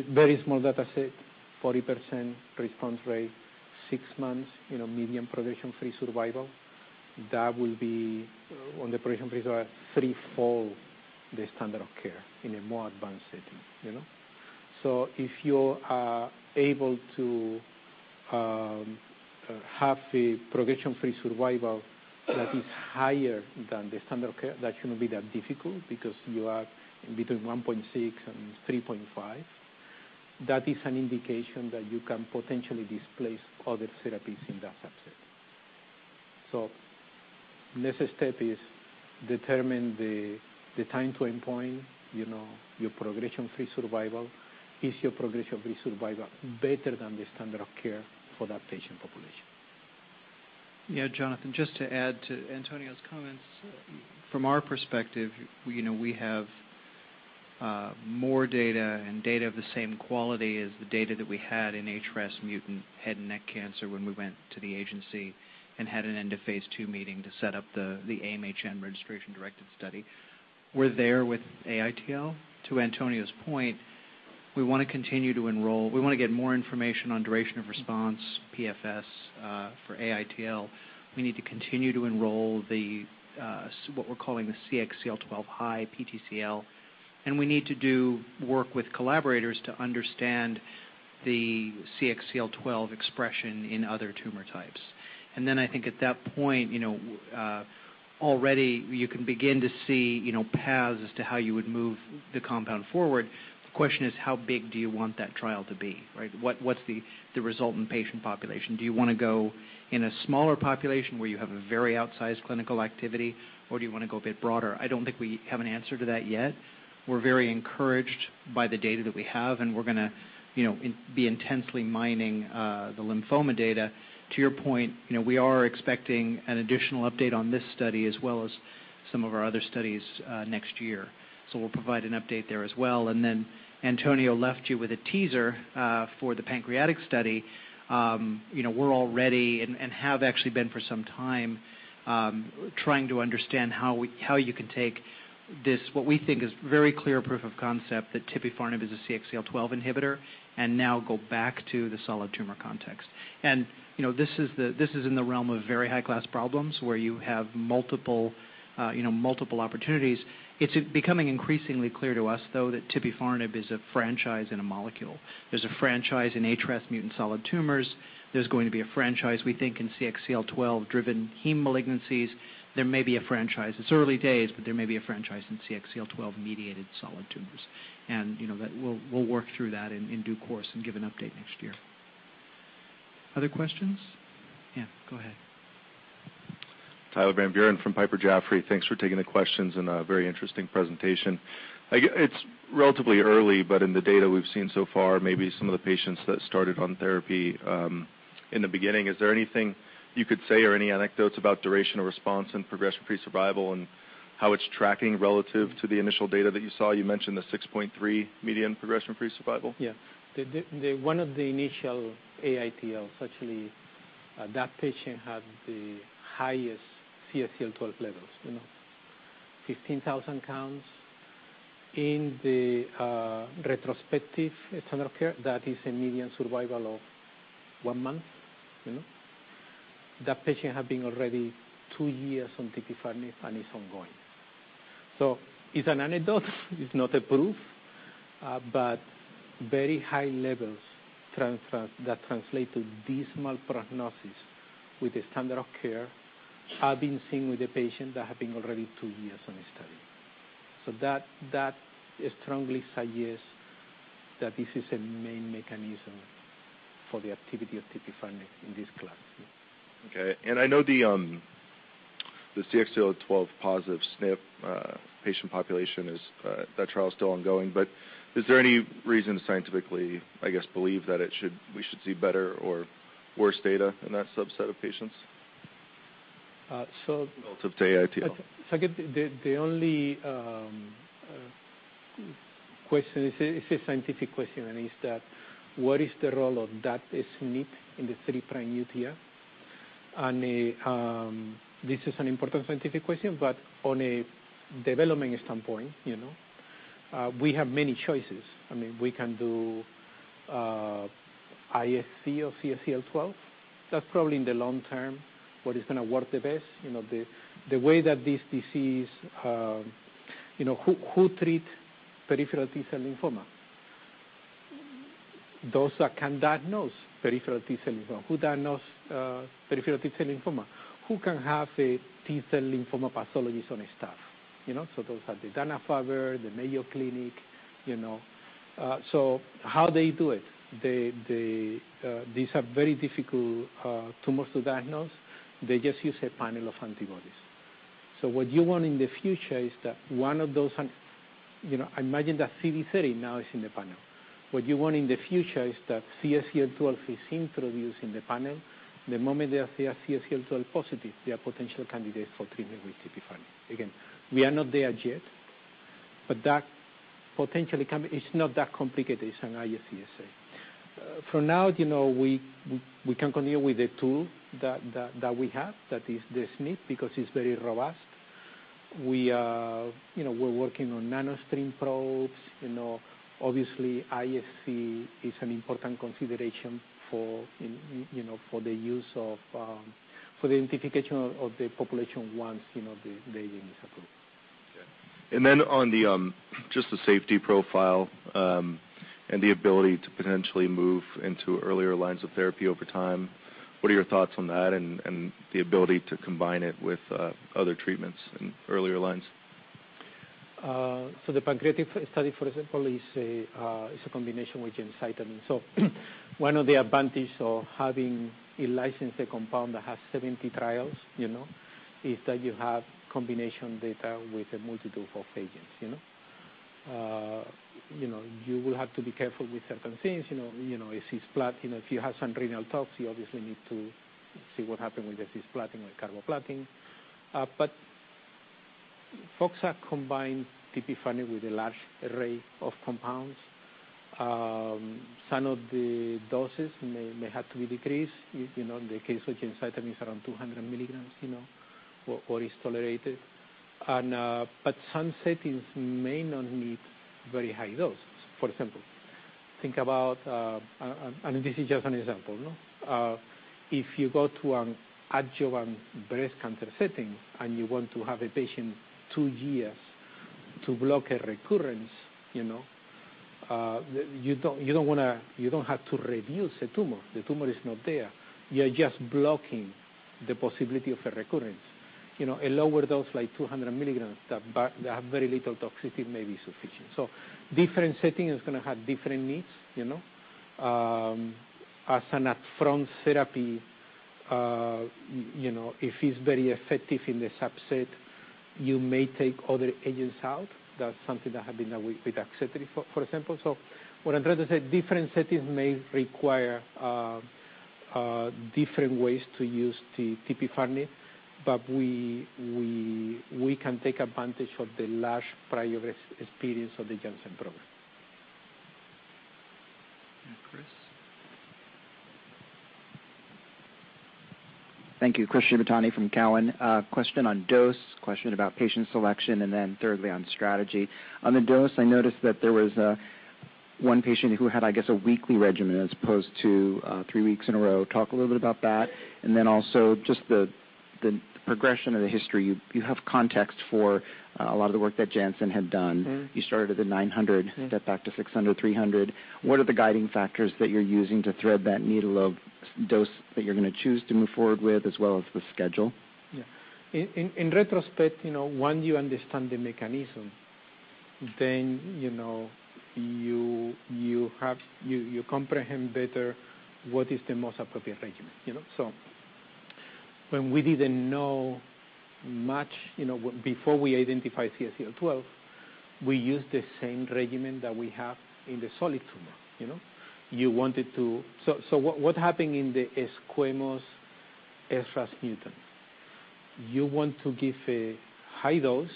very small data set, 40% response rate, six months median progression-free survival, that will be on the progression-free survival threefold the standard of care in a more advanced setting. If you are able to have a progression-free survival that is higher than the standard of care, that shouldn't be that difficult because you are in between 1.6 and 3.5. That is an indication that you can potentially displace other therapies in that subset. Next step is determine the time to endpoint, your progression-free survival. Is your progression-free survival better than the standard of care for that patient population? Jonathan Chang, just to add to Antonio's comments, from our perspective, we have more data and data of the same quality as the data that we had in HRAS mutant head and neck cancer when we went to the agency and had an end of phase II meeting to set up the AIM-HN registration-directed study. We're there with AITL. To Antonio Gualberto's point, we want to continue to enroll. We want to get more information on duration of response, PFS for AITL. We need to continue to enroll what we're calling the CXCL12 high PTCL, and we need to do work with collaborators to understand the CXCL12 expression in other tumor types. I think at that point, already you can begin to see paths as to how you would move the compound forward. The question is, how big do you want that trial to be, right? What's the result in patient population? Do you want to go in a smaller population where you have a very outsized clinical activity, or do you want to go a bit broader? I don't think we have an answer to that yet. We're very encouraged by the data that we have, and we're going to be intensely mining the lymphoma data. To your point, we are expecting an additional update on this study as well as some of our other studies next year. We'll provide an update there as well. Antonio left you with a teaser for the pancreatic study. We're already and have actually been for some time, trying to understand how you can take this, what we think is very clear proof of concept that tipifarnib is a CXCL12 inhibitor, and now go back to the solid tumor context. This is in the realm of very high-class problems where you have multiple opportunities. It's becoming increasingly clear to us, though, that tipifarnib is a franchise in a molecule. There's a franchise in HRAS mutant solid tumors. There's going to be a franchise, we think, in CXCL12-driven heme malignancies. There may be a franchise, it's early days, but there may be a franchise in CXCL12-mediated solid tumors. We'll work through that in due course and give an update next year. Other questions? Go ahead. Tyler Van Buren from Piper Sandler Companies. Thanks for taking the questions and a very interesting presentation. It's relatively early, but in the data we've seen so far, maybe some of the patients that started on therapy in the beginning, is there anything you could say or any anecdotes about duration of response and progression-free survival and how it's tracking relative to the initial data that you saw? You mentioned the 6.3 median progression-free survival. Yeah. One of the initial AITLs, actually, that patient had the highest CXCL12 levels. 15,000 counts in the retrospective standard of care. That is a median survival of one month. That patient have been already two years on tipifarnib and it's ongoing. It's an anecdote. It's not a proof. Very high levels that translate to dismal prognosis with the standard of care are being seen with the patient that have been already two years on the study. That strongly suggests that this is a main mechanism for the activity of tipifarnib in this class. Okay. I know the CXCL12+ SNP patient population, that trial is still ongoing, is there any reason scientifically, I guess, believe that we should see better or worse data in that subset of patients relative to AITL I'll take it. The only question is a scientific question, it's that what is the role of that SNP in the three prime UTR? This is an important scientific question, on a development standpoint, we have many choices. We can do IHC of CXCL12. That's probably in the long term what is going to work the best. Who treat peripheral T-cell lymphoma? Those that can diagnose peripheral T-cell lymphoma. Who diagnose peripheral T-cell lymphoma? Who can have a T-cell lymphoma pathologist on staff? Those are the Dana-Farber, the Mayo Clinic. How they do it, these are very difficult tumors to diagnose. They just use a panel of antibodies. What you want in the future is that. Imagine that CD30 now is in the panel. What you want in the future is that CXCL12 is introduced in the panel. The moment they see a CXCL12+, they are potential candidates for treatment with tipifarnib. Again, we are not there yet, but that potentially can be, it's not that complicated as an IFCSA. For now, we can continue with the tool that we have, that is the SNP, because it's very robust. We're working on NanoString probes, obviously IHC is an important consideration for the identification of the population once the agent is approved. Okay. On just the safety profile and the ability to potentially move into earlier lines of therapy over time, what are your thoughts on that and the ability to combine it with other treatments in earlier lines? The pancreatic study, for example, is a combination with gemcitabine. One of the advantage of having a licensed compound that has 70 trials is that you have combination data with a multitude of agents. You will have to be careful with certain things. If you have some renal tox, you obviously need to see what happen with the cisplatin, with carboplatin. Folks have combined tipifarnib with a large array of compounds. Some of the doses may have to be decreased. In the case of gemcitabine, it's around 200 mg, or it's tolerated. But some settings may not need very high dose. For example, think about, and this is just an example. If you go to an adjuvant breast cancer setting, and you want to have a patient two years to block a recurrence, you don't have to reduce the tumor. The tumor is not there. You are just blocking the possibility of a recurrence. A lower dose, like 200 mg, that have very little toxicity may be sufficient. Different setting is going to have different needs. As an up-front therapy, if it's very effective in the subset, you may take other agents out. That's something that happened with axcitabine, for example. What I'm trying to say, different settings may require different ways to use tipifarnib, but we can take advantage of the large prior experience of the Janssen program. Chris Shibutani? Thank you. Chris Shibutani from Cowen. Question on dose, question about patient selection, thirdly, on strategy. On the dose, I noticed that there was one patient who had, I guess, a weekly regimen as opposed to three weeks in a row. Talk a little bit about that, then also just the progression or the history. You have context for a lot of the work that Janssen had done. You started at the 900 mg step back to 600 mg, 300 mg. What are the guiding factors that you're using to thread that needle of dose that you're going to choose to move forward with, as well as the schedule? In retrospect, once you understand the mechanism, then you comprehend better what is the most appropriate regimen. When we didn't know much, before we identified CXCL12, we used the same regimen that we have in the solid tumor. What happened in the squamous HRAS mutant, you want to give a high dose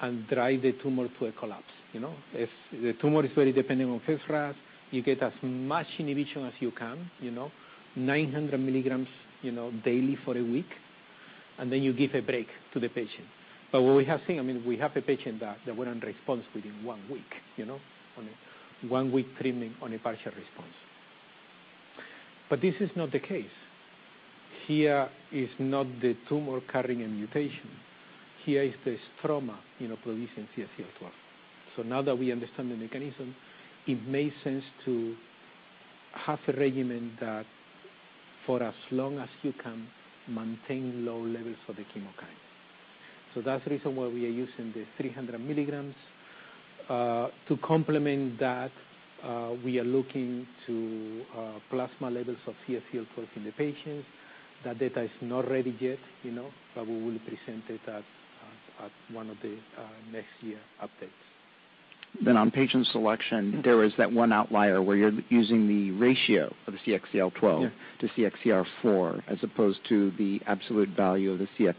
and drive the tumor to a collapse. If the tumor is very dependent on HRAS, you get as much inhibition as you can. 900 mg daily for a week, and then you give a break to the patient. What we have seen, we have a patient that went in response within one week. On a one-week treatment on a partial response. This is not the case. Here is not the tumor carrying a mutation. Here is the stroma producing CXCL12. Now that we understand the mechanism, it makes sense to have a regimen that for as long as you can maintain low levels for the chemokine. That's the reason why we are using the 300 mg. To complement that, we are looking to plasma levels of CXCL12 in the patients. That data is not ready yet, but we will present it at one of the next year updates. On patient selection, there was that one outlier where you're using the ratio of the CXCL12 to CXCR4 as opposed to the absolute value of the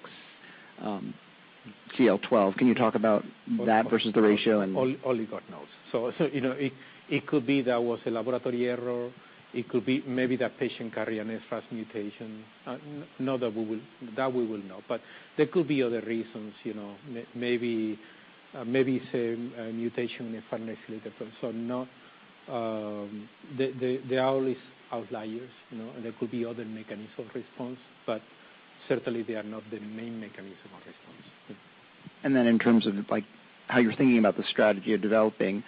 CXCL12. Can you talk about that versus the ratio? Only God knows. It could be there was a laboratory error. It could be maybe that patient carry an HRAS mutation. That we will know, but there could be other reasons. Maybe it's a mutation in the front next little. There are always outliers, and there could be other mechanism response, but certainly they are not the main mechanism of response. Yeah. Then in terms of how you're thinking about the strategy you're developing,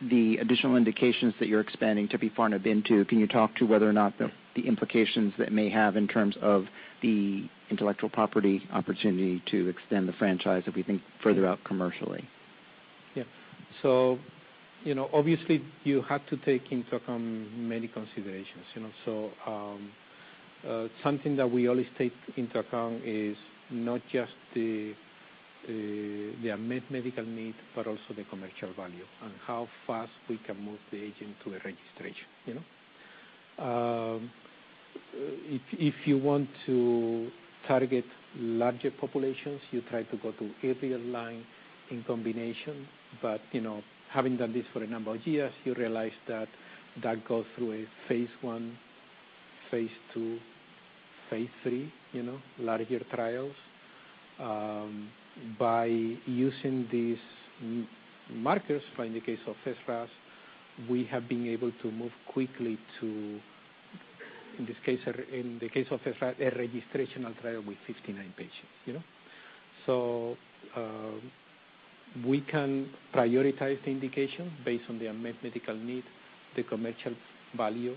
the additional indications that you're expanding tipifarnib into, can you talk to whether or not the implications that may have in terms of the intellectual property opportunity to extend the franchise if we think further out commercially? Yeah. Obviously you have to take into account many considerations. Something that we always take into account is not just the unmet medical need, but also the commercial value and how fast we can move the agent to a registration. If you want to target larger populations, you try to go to earlier line in combination. Having done this for a number of years, you realize that that goes through a phase I, phase II, phase III, larger trials. By using these markers in the case of HRAS, we have been able to move quickly to, in the case of HRAS, a registrational trial with 59 patients. We can prioritize the indication based on the unmet medical need, the commercial value,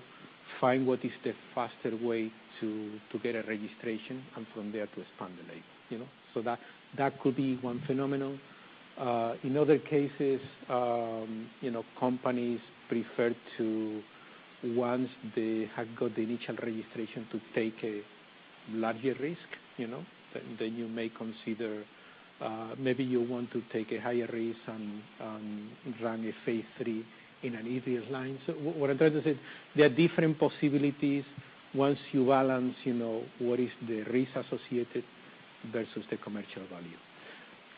find what is the faster way to get a registration, and from there to expand the label. That could be one phenomenon. In other cases, companies prefer to, once they have got the initial registration, to take a larger risk. You may consider maybe you want to take a higher risk and run a phase III in an easier line. What I'm trying to say, there are different possibilities once you balance what is the risk associated versus the commercial value.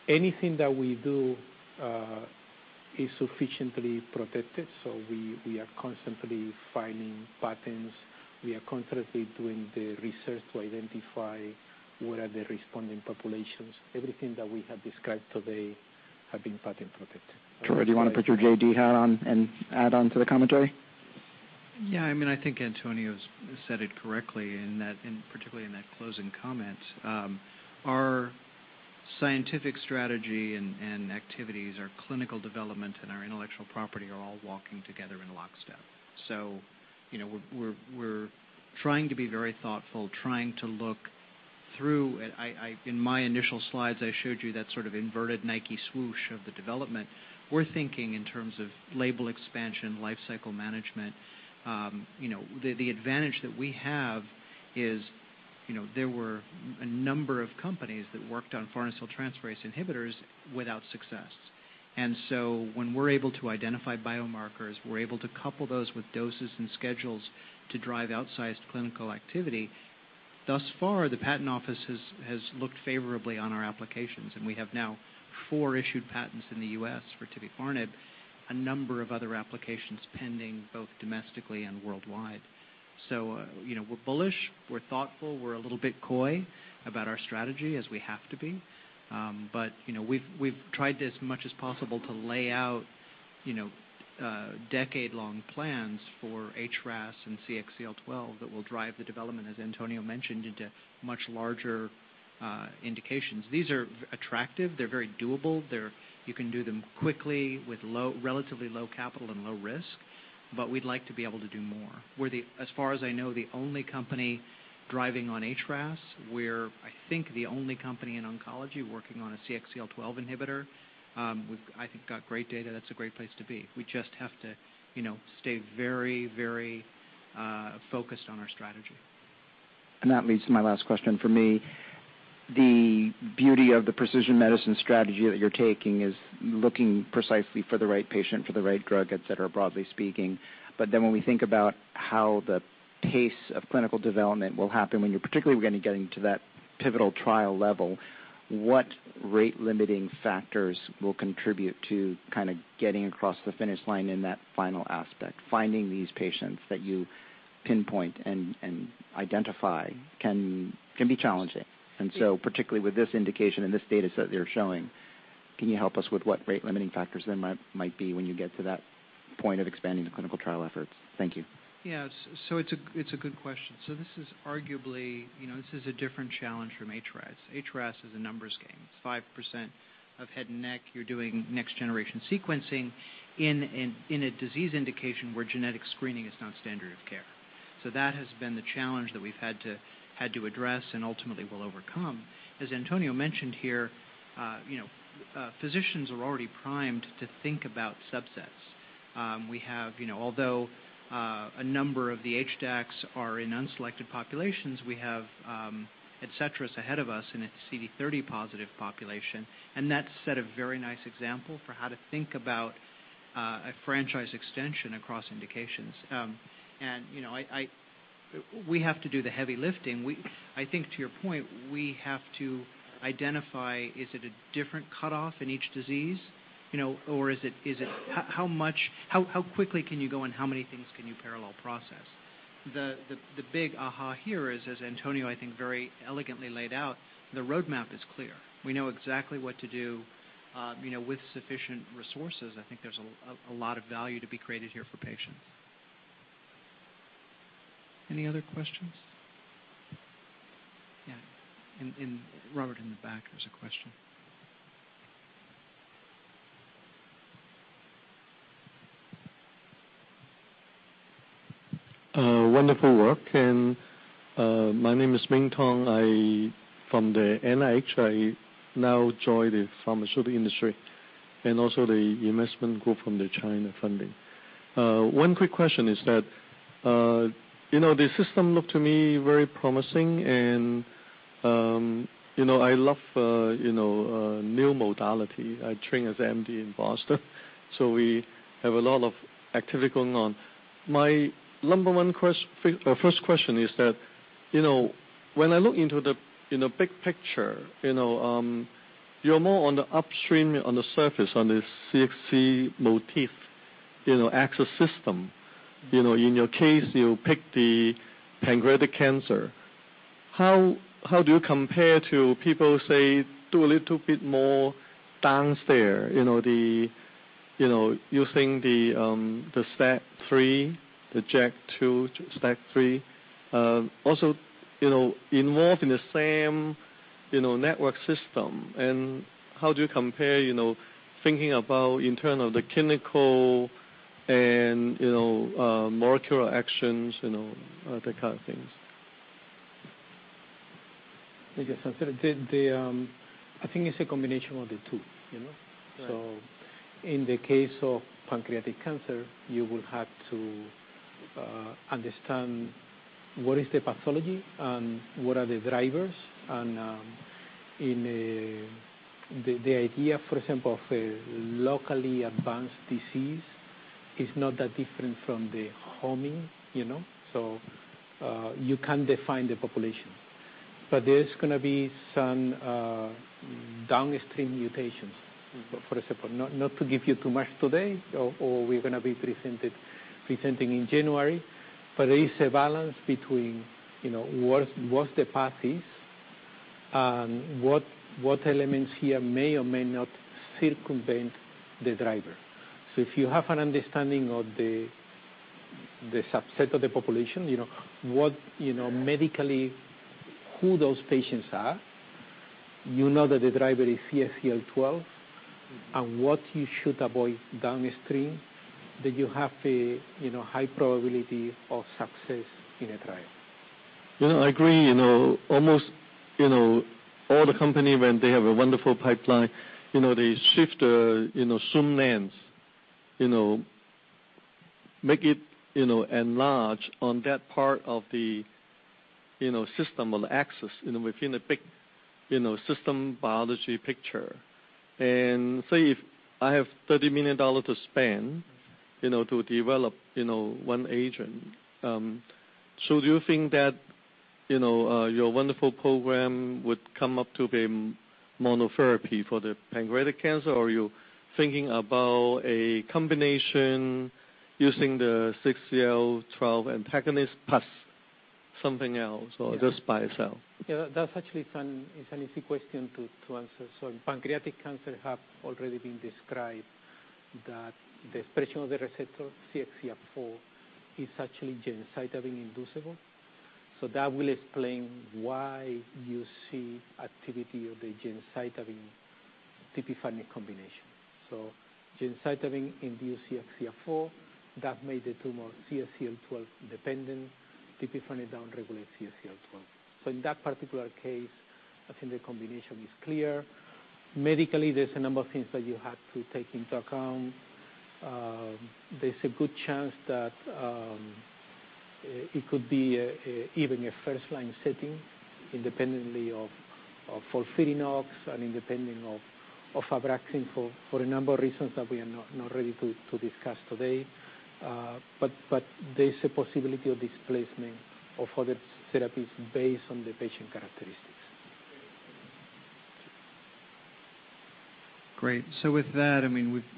Anything that we do is sufficiently protected. We are constantly filing patents. We are constantly doing the research to identify what are the responding populations. Everything that we have described today have been patent-protected. Troy Wilson, do you want to put your JD hat on and add on to the commentary? Yeah, I think Antonio Gualberto's said it correctly, particularly in that closing comment. Our scientific strategy and activities, our clinical development, and our intellectual property are all walking together in lockstep. We're trying to be very thoughtful, trying to look through. In my initial slides, I showed you that sort of inverted Nike swoosh of the development. We're thinking in terms of label expansion, life cycle management. The advantage that we have is there were a number of companies that worked on farnesyltransferase inhibitors without success. When we're able to identify biomarkers, we're able to couple those with doses and schedules to drive outsized clinical activity. Thus far, the patent office has looked favorably on our applications, and we have now four issued patents in the U.S. for tipifarnib, a number of other applications pending, both domestically and worldwide. We're bullish, we're thoughtful, we're a little bit coy about our strategy as we have to be. We've tried as much as possible to lay out decade-long plans for HRAS and CXCL12 that will drive the development, as Antonio mentioned, into much larger indications. These are attractive. They're very doable. You can do them quickly with relatively low capital and low risk, but we'd like to be able to do more. We're, as far as I know, the only company driving on HRAS. We're, I think, the only company in oncology working on a CXCL12 inhibitor. We've, I think, got great data. That's a great place to be. We just have to stay very focused on our strategy. That leads to my last question. For me, the beauty of the precision medicine strategy that you're taking is looking precisely for the right patient, for the right drug, et cetera, broadly speaking. When we think about how the pace of clinical development will happen, when you're particularly going to getting to that pivotal trial level, what rate limiting factors will contribute to kind of getting across the finish line in that final aspect? Finding these patients that you pinpoint and identify can be challenging. Particularly with this indication and this data set that you're showing. Can you help us with what rate limiting factors there might be when you get to that point of expanding the clinical trial efforts? Thank you. Yes. It's a good question. This is arguably, this is a different challenge from HRAS. HRAS is a numbers game. It's 5% of head and neck. You're doing next-generation sequencing in a disease indication where genetic screening is not standard of care. That has been the challenge that we've had to address and ultimately will overcome. As Antonio Gualberto mentioned here, physicians are already primed to think about subsets. Although a number of the HDACs are in unselected populations, we have ADCETRIS ahead of us in a CD30+ population, and that set a very nice example for how to think about a franchise extension across indications. We have to do the heavy lifting. I think to your point, we have to identify, is it a different cutoff in each disease? How quickly can you go, and how many things can you parallel process? The big aha here is, as Antonio Gualberto, I think, very elegantly laid out, the roadmap is clear. We know exactly what to do. With sufficient resources, I think there's a lot of value to be created here for patients. Any other questions? Ming Tong, in the back, there's a question. Wonderful work. My name is Ming Tong. I from the NIH. I now join the pharmaceutical industry and also the investment group from the China funding. One quick question is that the system looked to me very promising and I love new modality. I train as MD in Boston. We have a lot of activity going on. My number one first question is that, when I look into the big picture, you're more on the upstream, on the surface, on the CXC motif axis system. In your case, you pick the pancreatic cancer. How do you compare to people, say, do a little bit more downstairs, using the STAT3, the JAK2, STAT3? Also involved in the same network system. How do you compare thinking about in terms of the clinical and molecular actions, that kind of things? I guess I said, I think it's a combination of the two. In the case of pancreatic cancer, you will have to understand what is the pathology and what are the drivers and the idea, for example, of a locally advanced disease is not that different from the homing. You can define the population. There's going to be some downstream mutations. For example, not to give you too much today or we're going to be presenting in January. There is a balance between what's the path is and what elements here may or may not circumvent the driver. If you have an understanding of the subset of the population, medically who those patients are, you know that the driver is CXCL12 and what you should avoid downstream, then you have a high probability of success in a trial. I agree. Almost all the company, when they have a wonderful pipeline, they shift, zoom lens, make it enlarge on that part of the system or the axis within a big system biology picture. Say, if I have $30 million to spend to develop one agent, do you think that your wonderful program would come up to be monotherapy for the pancreatic cancer? Are you thinking about a combination using the CXCL12 antagonist plus something else or just by itself? Yeah. That's actually an easy question to answer. Pancreatic cancer have already been described that the expression of the receptor CXCR4 is actually gemcitabine inducible. That will explain why you see activity of the gemcitabine, tipifarnib combination. Gemcitabine induce CXCR4 that made the tumor CXCL12 dependent, tipifarnib down regulates CXCL12. In that particular case, I think the combination is clear. Medically, there's a number of things that you have to take into account. There's a good chance that it could be even a first-line setting independently of FOLFIRINOX and independent of ABRAXANE for a number of reasons that we are not ready to discuss today. There's a possibility of displacement of other therapies based on the patient characteristics. Great. With that,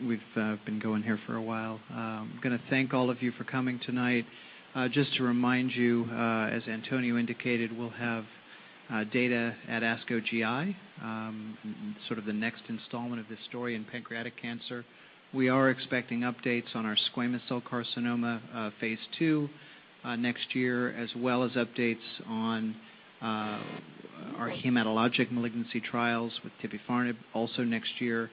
we've been going here for a while. I'm going to thank all of you for coming tonight. Just to remind you, as Antonio Gualberto indicated, we'll have data at ASCO GI, sort of the next installment of this story in pancreatic cancer. We are expecting updates on our squamous cell carcinoma phase II next year as well as updates on our hematologic malignancy trials with tipifarnib also next year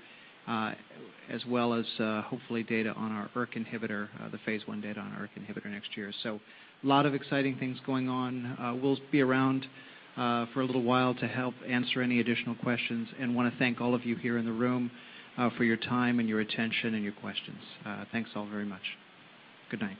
as well as hopefully data on our ERK inhibitor, the phase I data on our ERK inhibitor next year. A lot of exciting things going on. We'll be around for a little while to help answer any additional questions and want to thank all of you here in the room for your time and your attention and your questions. Thanks all very much. Good night.